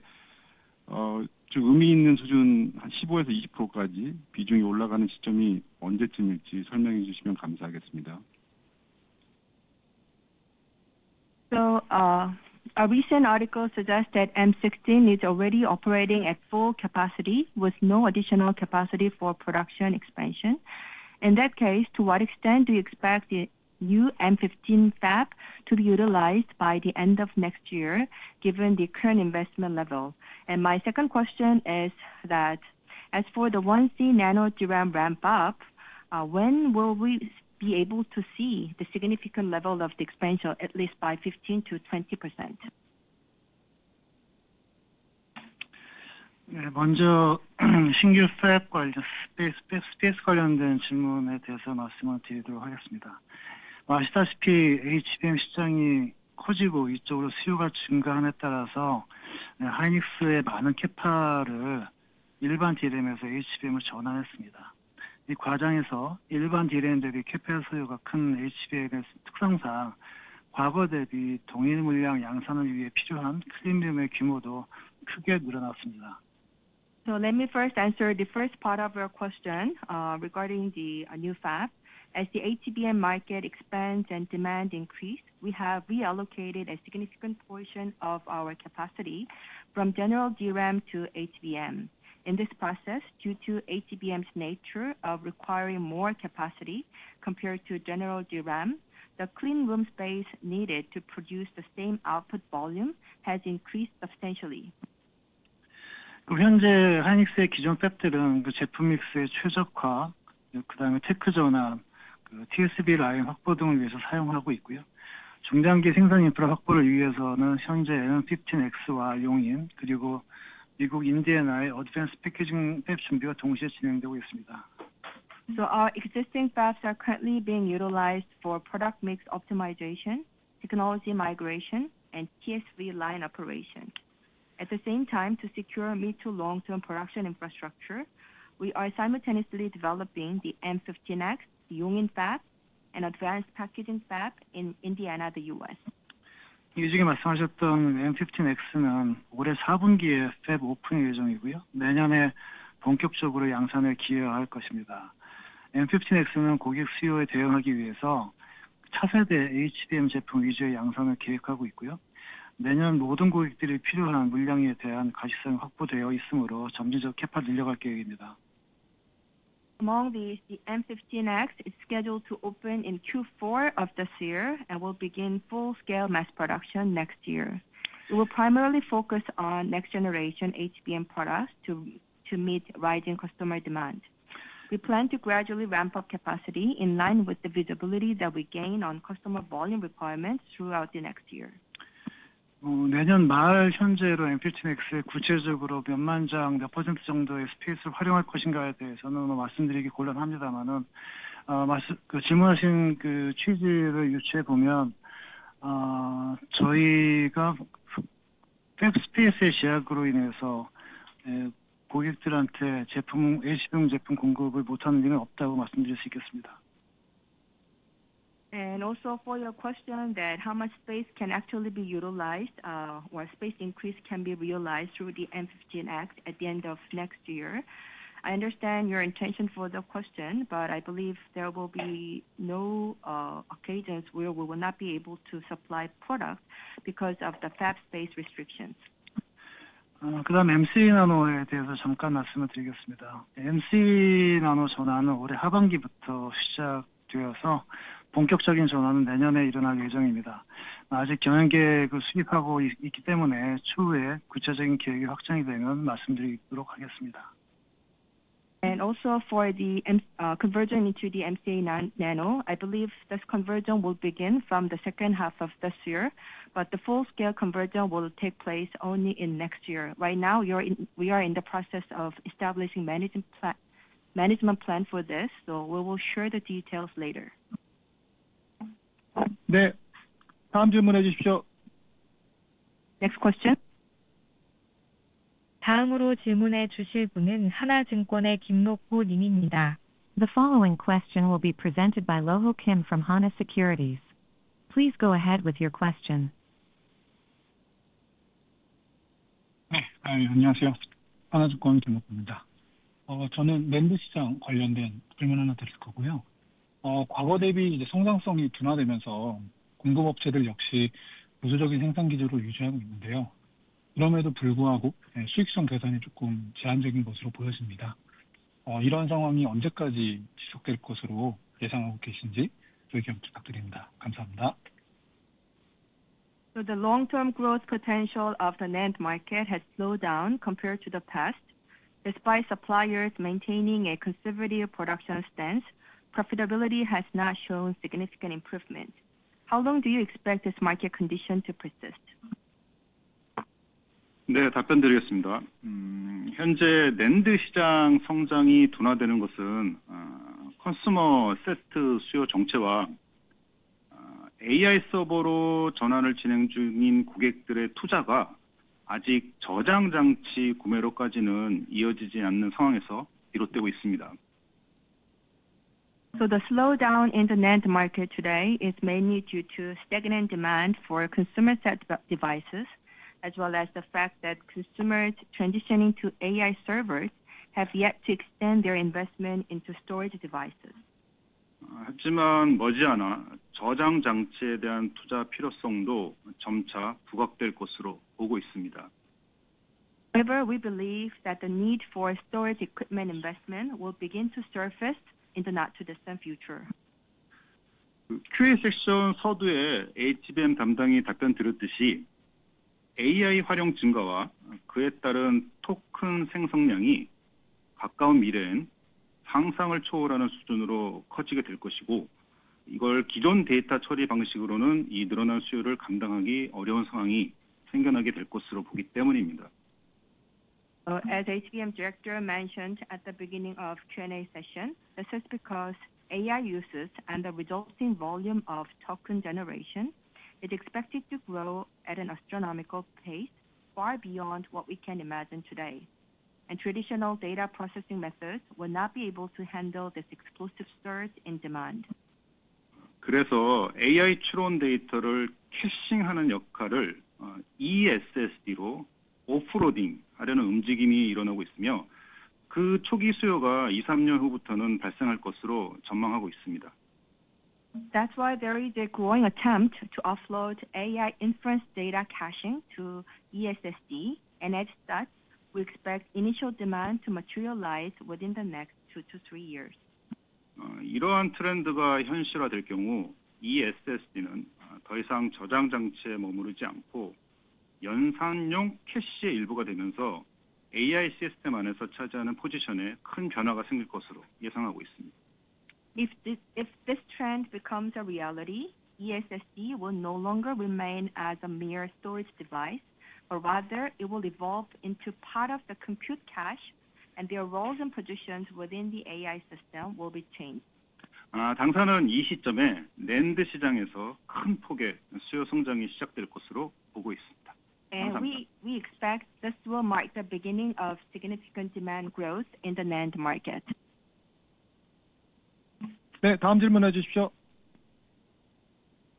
좀 의미 있는 수준 한 15에서 20%까지 비중이 올라가는 시점이 언제쯤일지 설명해 주시면 감사하겠습니다. So. A recent article suggests that M16 is already operating at full capacity with no additional capacity for production expansion. In that case, to what extent do you expect the new M15 fab to be utilized by the end of next year given the current investment level? And my second question is that. As for the 1C nano DRAM ramp-up. When will we be able to see the significant level of the expansion at least by 15-20%? 네, 먼저 신규 팹 관련. 스페이스 관련된 질문에 대해서 말씀을 드리도록 하겠습니다. 아시다시피 HBM 시장이 커지고 이쪽으로 수요가 증가함에 따라서. 하이닉스의 많은 캐파를 일반 D램에서 HBM으로 전환했습니다. 이 과정에서 일반 D램 대비 캐파의 수요가 큰 HBM의 특성상 과거 대비 동일 물량 양산을 위해 필요한 클린 룸의 규모도 크게 늘어났습니다. So let me first answer the first part of your question regarding the new fab. As the HBM market expands and demand increases, we have reallocated a significant portion of our capacity from general DRAM to HBM. In this process, due to HBM's nature of requiring more capacity compared to general DRAM, the clean room space needed to produce the same output volume has increased substantially. 현재 하이닉스의 기존 팹들은 그 제품 믹스의 최적화, 그다음에 테크 전환, TSB 라인 확보 등을 위해서 사용하고 있고요. 중단기 생산 인프라 확보를 위해서는 현재 M15X와 용인, 그리고 미국 인디애나의 어드밴스드 패키징 팹 준비가 동시에 진행되고 있습니다. So our existing fabs are currently being utilized for product mix optimization, technology migration, and TSB line operation. At the same time, to secure mid to long-term production infrastructure, we are simultaneously developing the M15X, the Yongin fab, and advanced packaging fab in Indiana, the U.S. 이 중에 말씀하셨던 M15X는 올해 4분기에 팹 오픈 예정이고요. 내년에 본격적으로 양산에 기여할 것입니다. M15X는 고객 수요에 대응하기 위해서 차세대 HBM 제품 위주의 양산을 계획하고 있고요. 내년 모든 고객들이 필요한 물량에 대한 가시성이 확보되어 있으므로 점진적으로 캐파를 늘려갈 계획입니다 Among these, the M15X is scheduled to open in Q4 of this year and will begin full-scale mass production next year. It will primarily focus on next-generation HBM products to meet rising customer demand. We plan to gradually ramp up capacity in line with the visibility that we gain on customer volume requirements throughout the next year. 내년 말 현재로 M15X의 구체적으로 몇만 장, 몇% 정도의 스페이스를 활용할 것인가에 대해서는 말씀드리기 곤란합니다만. 질문하신 그 취지를 유추해 보면. 저희가 팹 스페이스의 제약으로 인해서 고객들한테 HBM 제품 공급을 못하는 일은 없다고 말씀드릴 수 있겠습니다. Also, for your question about how much space can actually be utilized or space increase can be realized through the M15X at the end of next year, I understand your intention for the question, but I believe there will be no occasions where we will not be able to supply product because of the fab space restrictions. 그다음 MC 나노에 대해서 잠깐 말씀을 드리겠습니다. MC 나노 전환은 올해 하반기부터 시작되어서 본격적인 전환은 내년에 일어날 예정입니다. 아직 경영 계획을 수립하고 있기 때문에 추후에 구체적인 계획이 확정이 되면 말씀드리도록 하겠습니다. Also, for the conversion into the MC Nano, I believe this conversion will begin from the second half of this year, but the full-scale conversion will take place only next year. Right now, we are in the process of establishing management plan for this, so we will share the details later. 네, 다음 질문해 주십시오. Next question. 다음으로 질문해 주실 분은 하나증권의 김록호 님입니다. The following question will be presented by Rokho Kim from Hana Securities. Please go ahead with your question.. 네, 안녕하세요. 하나증권 김록호입니다. 저는 낸드 시장 관련된 질문 하나 드릴 거고요. 과거 대비 성장성이 둔화되면서 공급업체들 역시 보수적인 생산 기조를 유지하고 있는데요. 그럼에도 불구하고 수익성 개선이 조금 제한적인 것으로 보여집니다. 이러한 상황이 언제까지 지속될 것으로 예상하고 계신지 의견 부탁드립니다. 감사합니다. The long-term growth potential of the NAND market has slowed down compared to the past. Despite suppliers maintaining a conservative production stance, profitability has not shown significant improvement. How long do you expect this market condition to persist? 네, 답변 드리겠습니다. 현재 낸드 시장 성장이 둔화되는 것은 컨슈머 세트 수요 정체와 AI 서버로 전환을 진행 중인 고객들의 투자가 아직 저장 장치 구매로까지는 이어지지 않는 상황에서 비롯되고 있습니다. The slowdown in the NAND market today is mainly due to stagnant demand for consumer-set devices, as well as the fact that customers transitioning to AI servers have yet to extend their investment into storage devices. 하지만 머지않아 저장 장치에 대한 투자 필요성도 점차 부각될 것으로 보고 있습니다. However, we believe that the need for storage equipment investment will begin to surface in the not-too-distant future. Q& A 섹션 서두에 HBM 담당이 답변 드렸듯이 AI 활용 증가와 그에 따른 토큰 생성량이 가까운 미래엔 상상을 초월하는 수준으로 커지게 될 것이고, 이걸 기존 데이터 처리 방식으로는 이 늘어난 수요를 감당하기 어려운 상황이 생겨나게 될 것으로 보기 때문입니다. As the HBM director mentioned at the beginning of the Q&A session, this is because AI uses and the resulting volume of token generation is expected to grow at an astronomical pace far beyond what we can imagine today. Traditional data processing methods will not be able to handle this explosive surge in demand. 그래서 AI 추론 데이터를 캐싱하는 역할을. ESSD로 오프로딩하려는 움직임이 일어나고 있으며, 그 초기 수요가 2~3년 후부터는 발생할 것으로 전망하고 있습니다. That's why there is a growing attempt to offload AI inference data caching to ESSD, and as such, we expect initial demand to materialize within the next 2 to 3 years. 이러한 트렌드가 현실화될 경우 ESSD는 더 이상 저장 장치에 머무르지 않고. 연산용 캐시의 일부가 되면서 AI 시스템 안에서 차지하는 포지션에 큰 변화가 생길 것으로 예상하고 있습니다. If this trend becomes a reality, ESSD will no longer remain as a mere storage device, but rather it will evolve into part of the compute cache, and their roles and positions within the AI system will be changed. 당사는 이 시점에 낸드 시장에서 큰 폭의 수요 성장이 시작될 것으로 보고 있습니다. 감사합니다. And we expect this will mark the beginning of significant demand growth in the NAND market. 네, 다음 질문해 주십시오.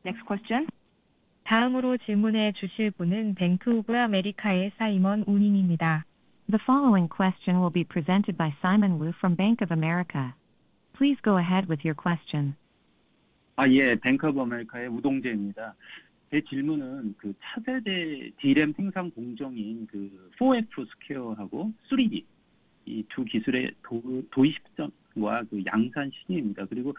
Next question. 다음으로 질문해 주실 분은 뱅크 오브 아메리카의 사이먼 우 님입니다. The following question will be presented by Simon Wu from Bank of America. Please go ahead with your question. 예, 뱅크 오브 아메리카의 우동재입니다. 제 질문은 차세대 D램 생산 공정인 4F 스퀘어하고 3D 이두 기술의 도입 시점과 양산 시기입니다. 그리고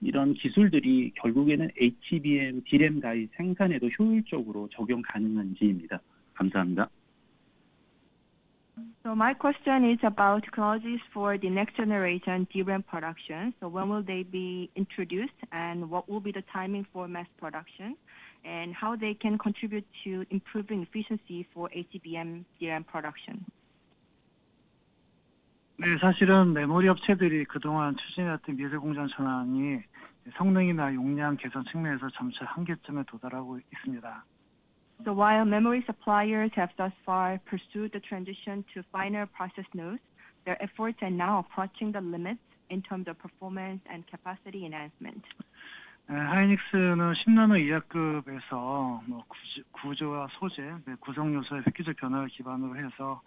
이런 기술들이 결국에는 HBM D램 가입 생산에도 효율적으로 적용 가능한지입니다. 감사합니다. My question is about technologies for the next generation DRAM production. When will they be introduced, and what will be the timing for mass production, and how can they contribute to improving efficiency for HBM DRAM production? 네, 사실은 메모리 업체들이 그동안 추진해왔던 미래 공장 전환이 성능이나 용량 개선 측면에서 점차 한계점에 도달하고 있습니다. While memory suppliers have thus far pursued the transition to final process nodes, their efforts are now approaching the limits in terms of performance and capacity enhancement. 하이닉스는 10나노 이하급에서. 구조와 소재, 구성 요소의 획기적 변화를 기반으로 해서.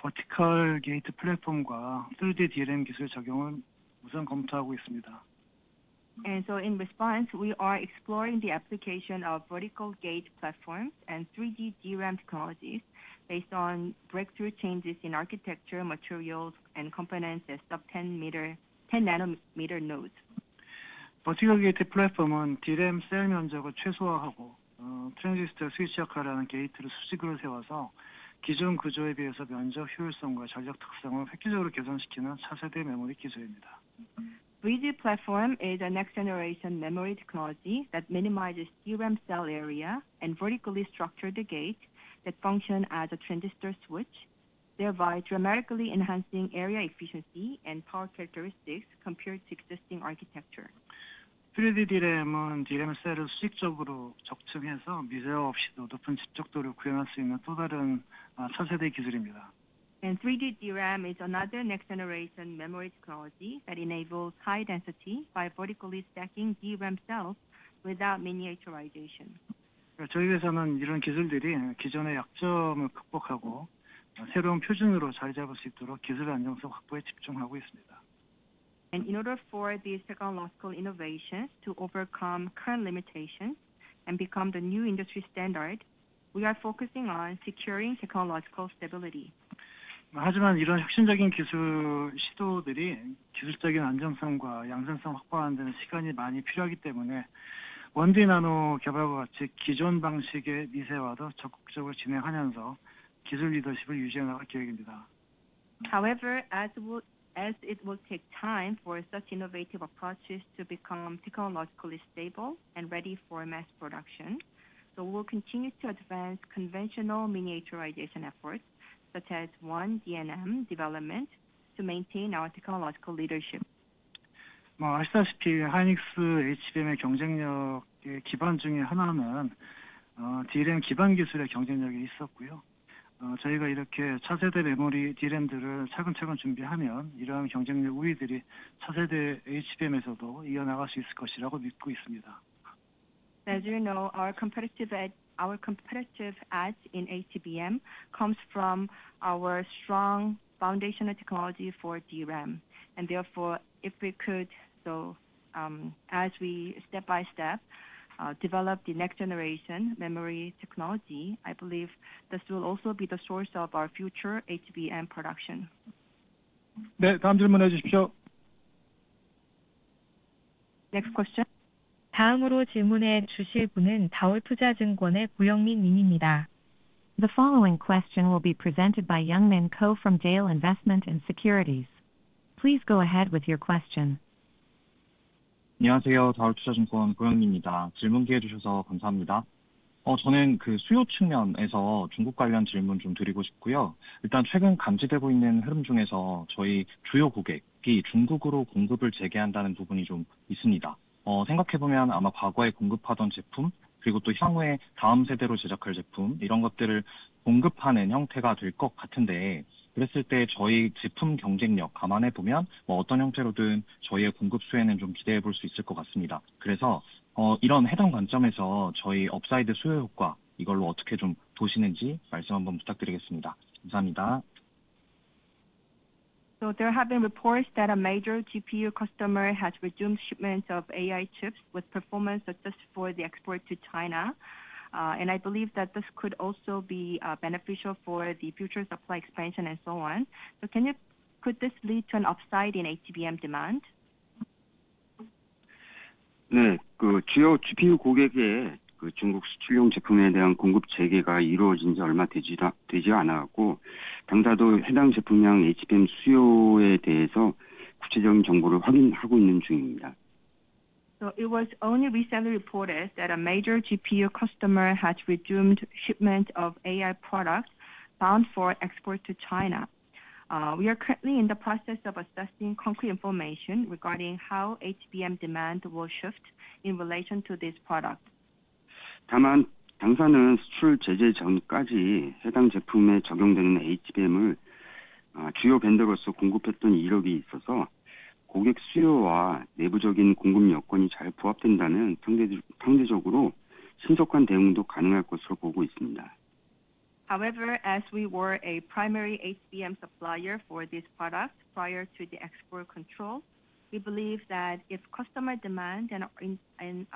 버티컬 게이트 플랫폼과 3D DRAM 기술 적용을 우선 검토하고 있습니다. In response, we are exploring the application of vertical gate platforms and 3D DRAM technologies based on breakthrough changes in architecture, materials, and components as sub-10nm nodes. 버티컬 게이트 플랫폼은 DRAM 셀 면적을 최소화하고 트랜지스터 스위치 역할을 하는 게이트를 수직으로 세워서 기존 구조에 비해서 면적 효율성과 전력 특성을 획기적으로 개선시키는 차세대 메모리 기술입니다. 3D platform is a next-generation memory technology that minimizes DRAM cell area and vertically structured the gate that functions as a transistor switch, thereby dramatically enhancing area efficiency and power characteristics compared to existing architecture. 3D DRAM 은 DRAM 셀을 수직적으로 적층해서 미세화 없이도 높은 집적도를 구현할 수 있는 또 다른 차세대 기술입니다.. 3D DRAM is another next-generation memory technology that enables high density by vertically stacking DRAM cells without miniaturization. 저희 회사는 이런 기술들이 기존의 약점을 극복하고 새로운 표준으로 자리 잡을 수 있도록 기술 안정성 확보에 집중하고 있습니다. And in order for these technological innovations to overcome current limitations and become the new industry standard, we are focusing on securing technological stability. 하지만 이런 혁신적인 기술 시도들이 기술적인 안정성과 양산성 확보하는 데는 시간이 많이 필요하기 때문에. 1D 나노 개발과 같이 기존 방식의 미세화도 적극적으로 진행하면서 기술 리더십을 유지해 나갈 계획입니다. However, as it will take time for such innovative approaches to become technologically stable and ready for mass production, we will continue to advance conventional miniaturization efforts such as 1D and NAM development to maintain our technological leadership. 아시다시피 하이닉스 HBM의 경쟁력의 기반 중에 하나는. DRAM 기반 기술의 경쟁력에 있었고요. 저희가 이렇게 차세대 메모리 D램들을 차근차근 준비하면 이러한 경쟁력 우위들이 차세대 HBM에서도 이어나갈 수 있을 것이라고 믿고 있습니다. As you know, our competitive edge in HBM comes from our strong foundational technology for DRAM. And therefore, as we step by step develop the next generation memory technology, I believe this will also be the source of our future HBM production. 네, 다음 질문해 주십시오. Next question. 다음으로 질문해 주실 분은 다올투자증권의 고영민 님입니다. The following question will be presented by Youngmin Ko from Dale Investment & Securities. Please go ahead with your question. 안녕하세요. 다올투자증권 고영민입니다. 질문 기회 주셔서 감사합니다. 저는 수요 측면에서 중국 관련 질문 좀 드리고 싶고요. 일단 최근 감지되고 있는 흐름 중에서 저희 주요 고객이 중국으로 공급을 재개한다는 부분이 좀 있습니다. 생각해 보면 아마 과거에 공급하던 제품, 그리고 또 향후에 다음 세대로 제작할 제품, 이런 것들을 공급하는 형태가 될것 같은데, 그랬을 때 저희 제품 경쟁력 감안해 보면 어떤 형태로든 저희의 공급 수혜는 좀 기대해 볼수 있을 것 같습니다. 그래서 이런 해당 관점에서 저희 업사이드 수요 효과, 이걸로 어떻게 좀 보시는지 말씀 한번 부탁드리겠습니다. 감사합니다. There have been reports that a major GPU customer has resumed shipments of AI chips with performance success for the export to China. I believe that this could also be beneficial for the future supply expansion and so on. Could this lead to an upside in HBM demand? 네, 주요 GPU 고객의 중국 수출용 제품에 대한 공급 재개가 이루어진 지 얼마 되지 않아 왔고, 당사도 해당 제품량 HBM 수요에 대해서 구체적인 정보를 확인하고 있는 중입니다. It was only recently reported that a major GPU customer has resumed shipment of AI products bound for export to China. We are currently in the process of assessing concrete information regarding how HBM demand will shift in relation to this product. 다만 당사는 수출 제재 전까지 해당 제품에 적용되는 HBM을. 주요 벤더로서 공급했던 이력이 있어서 고객 수요와 내부적인 공급 여건이 잘 부합된다면 상대적으로 신속한 대응도 가능할 것으로 보고 있습니다. However, as we were a primary HBM supplier for this product prior to the export control, we believe that if customer demand and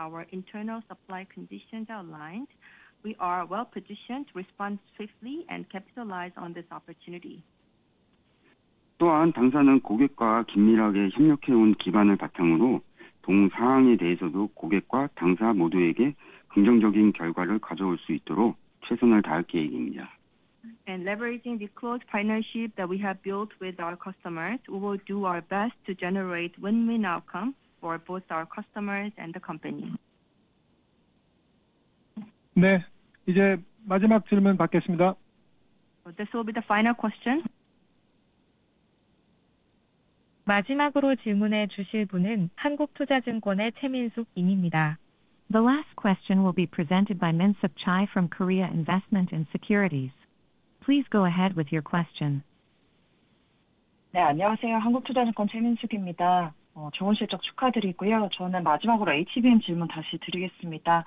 our internal supply conditions are aligned, we are well-positioned to respond swiftly and capitalize on this opportunity. 또한 당사는 고객과 긴밀하게 협력해 온 기반을 바탕으로 동 사항에 대해서도 고객과 당사 모두에게 긍정적인 결과를 가져올 수 있도록 최선을 다할 계획입니다. And leveraging the close partnership that we have built with our customers, we will do our best to generate win-win outcomes for both our customers and the company. 네, 이제 마지막 질문 받겠습니다. This will be the final question. 마지막으로 질문해 주실 분은 한국투자증권의 최민숙 님입니다. The last question will be presented by Minseok Chae from Korea Investment & Securities. Please go ahead with your question. 네, 안녕하세요. 한국투자증권 최민숙입니다. 좋은 실적 축하드리고요. 저는 마지막으로 HBM 질문 다시 드리겠습니다.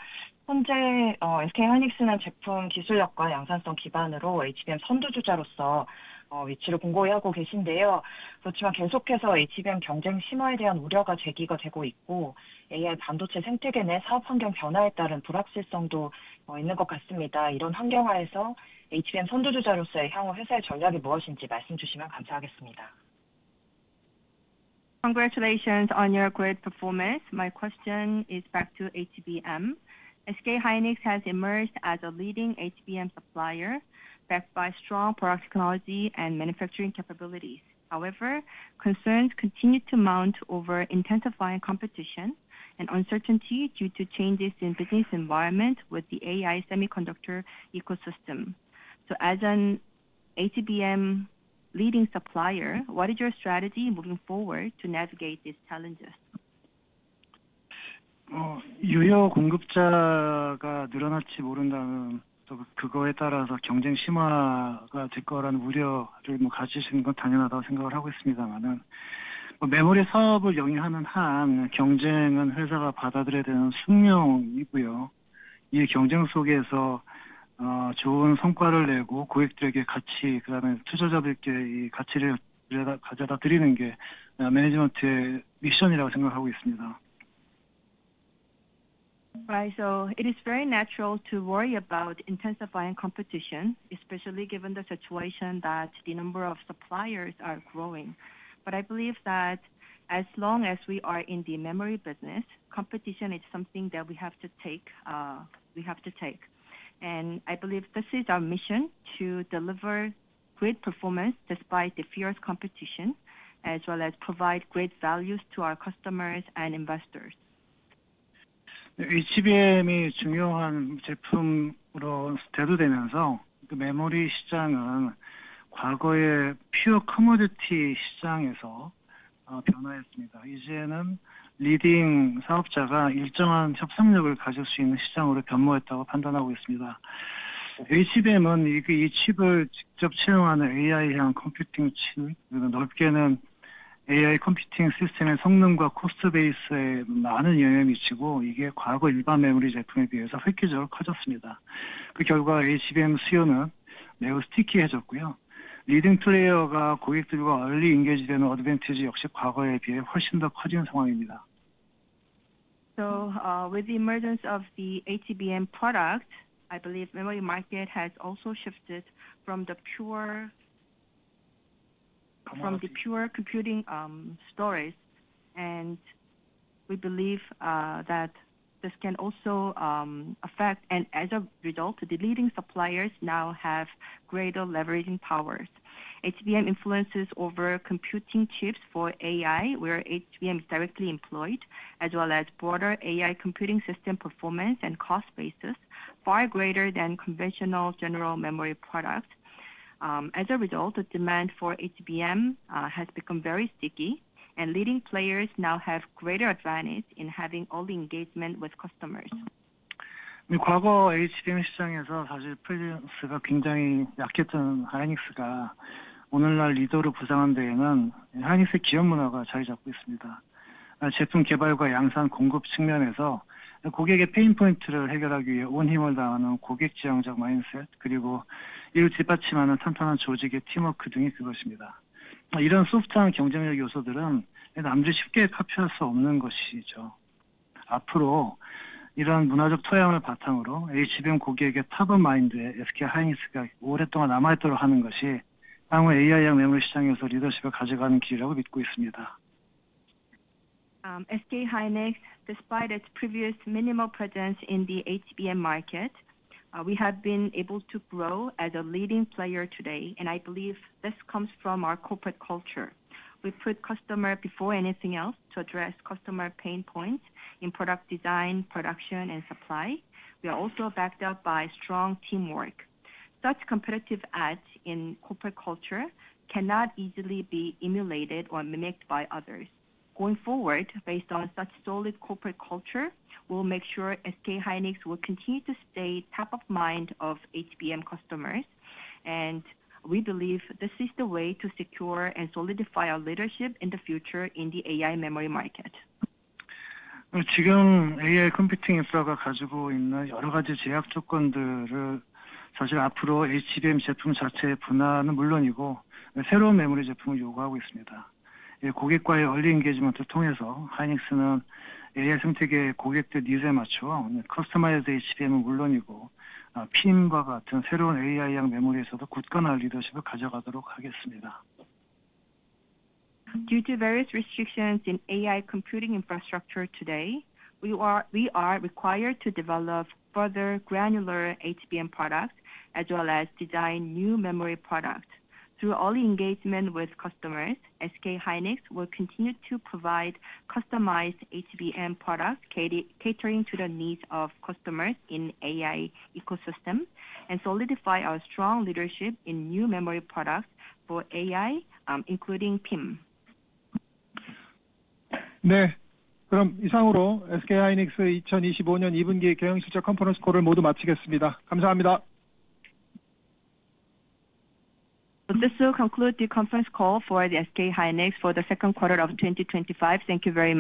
현재 SK hynix는 제품 기술력과 양산성 기반으로 HBM 선두주자로서 위치를 공고히 하고 계신데요. 그렇지만 계속해서 HBM 경쟁 심화에 대한 우려가 제기가 되고 있고, AI 반도체 생태계 내 사업 환경 변화에 따른 불확실성도 있는 것 같습니다. 이런 환경 하에서 HBM 선두주자로서의 향후 회사의 전략이 무엇인지 말씀해 주시면 감사하겠습니다. Congratulations on your great performance. My question is back to HBM. SK hynix has emerged as a leading HBM supplier backed by strong product technology and manufacturing capabilities. However, concerns continue to mount over intensifying competition and uncertainty due to changes in business environment with the AI semiconductor ecosystem. As an HBM leading supplier, what is your strategy moving forward to navigate these challenges? 유효 공급자가 늘어날지 모른다는, 그거에 따라서 경쟁 심화가 될 거라는 우려를 가지시는 건 당연하다고 생각을 하고 있습니다만. 메모리 사업을 영위하는 한 경쟁은 회사가 받아들여야 되는 숙명이고요. 이 경쟁 속에서. 좋은 성과를 내고 고객들에게 가치, 그다음에 투자자들께 이 가치를 가져다 드리는 게 매니지먼트의 미션이라고 생각하고 있습니다. Right, it is very natural to worry about intensifying competition, especially given the situation that the number of suppliers are growing. I believe that as long as we are in the memory business, competition is something that we have to take, we have to take. I believe this is our mission to deliver great performance despite the fierce competition, as well as provide great values to our customers and investors. HBM이 중요한 제품으로 대두되면서 메모리 시장은 과거의 퓨어 커머디티 시장에서. 변화했습니다. 이제는 리딩 사업자가 일정한 협상력을 가질 수 있는 시장으로 변모했다고 판단하고 있습니다. HBM은 이 칩을 직접 채용하는 AI 향 컴퓨팅 칩, 그리고 넓게는 AI 컴퓨팅 시스템의 성능과 코스트 베이스에 많은 영향을 미치고, 이게 과거 일반 메모리 제품에 비해서 획기적으로 커졌습니다. 그 결과 HBM 수요는 매우 스티키해졌고요. 리딩 플레이어가 고객들과 얼리 인게이지되는 어드밴티지 역시 과거에 비해 훨씬 더 커진 상황입니다. With the emergence of the HBM product, I believe memory market has also shifted from the pure computing stories. We believe that this can also affect, and as a result, the leading suppliers now have greater leveraging powers. HBM influences over computing chips for AI, where HBM is directly employed, as well as broader AI computing system performance and cost basis, far greater than conventional general memory products. As a result, the demand for HBM has become very sticky, and leading players now have greater advantage in having all the engagement with customers. 과거 HBM 시장에서 사실 프리랜스가 굉장히 약했던 하이닉스가 오늘날 리더로 부상한 데에는 하이닉스의 기업 문화가 자리 잡고 있습니다. 제품 개발과 양산, 공급 측면에서 고객의 페인 포인트를 해결하기 위해 온 힘을 다하는 고객 지향적 마인드셋, 그리고 이를 뒷받침하는 탄탄한 조직의 팀워크 등이 그것입니다. 이런 소프트한 경쟁력 요소들은 남들이 쉽게 카피할 수 없는 것이죠. 앞으로 이러한 문화적 토양을 바탕으로 HBM 고객의 터프 마인드에 SK hynix가 오랫동안 남아 있도록 하는 것이 향후 AI와 메모리 시장에서 리더십을 가져가는 길이라고 믿고 있습니다. SK hynix, despite its previous minimal presence in the HBM market, we have been able to grow as a leading player today, and I believe this comes from our corporate culture. We put customer before anything else to address customer pain points in product design, production, and supply. We are also backed up by strong teamwork. Such competitive ads in corporate culture cannot easily be emulated or mimicked by others. Going forward, based on such solid corporate culture, we'll make sure SK hynix will continue to stay top of mind of HBM customers, and we believe this is the way to secure and solidify our leadership in the future in the AI memory market. 지금 AI 컴퓨팅 인프라가 가지고 있는 여러 가지 제약 조건들을. 사실 앞으로 HBM 제품 자체의 분화는 물론이고 새로운 메모리 제품을 요구하고 있습니다. 고객과의 얼리 인게이지먼트를 통해서 하이닉스는 AI 생태계의 고객들 니즈에 맞춰 커스터마이즈드 HBM은 물론이고 PIM과 같은 새로운 AI형 메모리에서도 굳건한 리더십을 가져가도록 하겠습니다. Due to various restrictions in AI computing infrastructure today, we are required to develop further granular HBM products as well as design new memory products. Through early engagement with customers, SK hynix will continue to provide customized HBM products catering to the needs of customers in the AI ecosystem and solidify our strong leadership in new memory products for AI, including PIM. 네, 그럼 이상으로 SK hynix 2025년 2분기 경영 실적 컨퍼런스 콜을 모두 마치겠습니다. 감사합니다. This will conclude the conference call for the SK hynix for the second quarter of 2025. Thank you very much.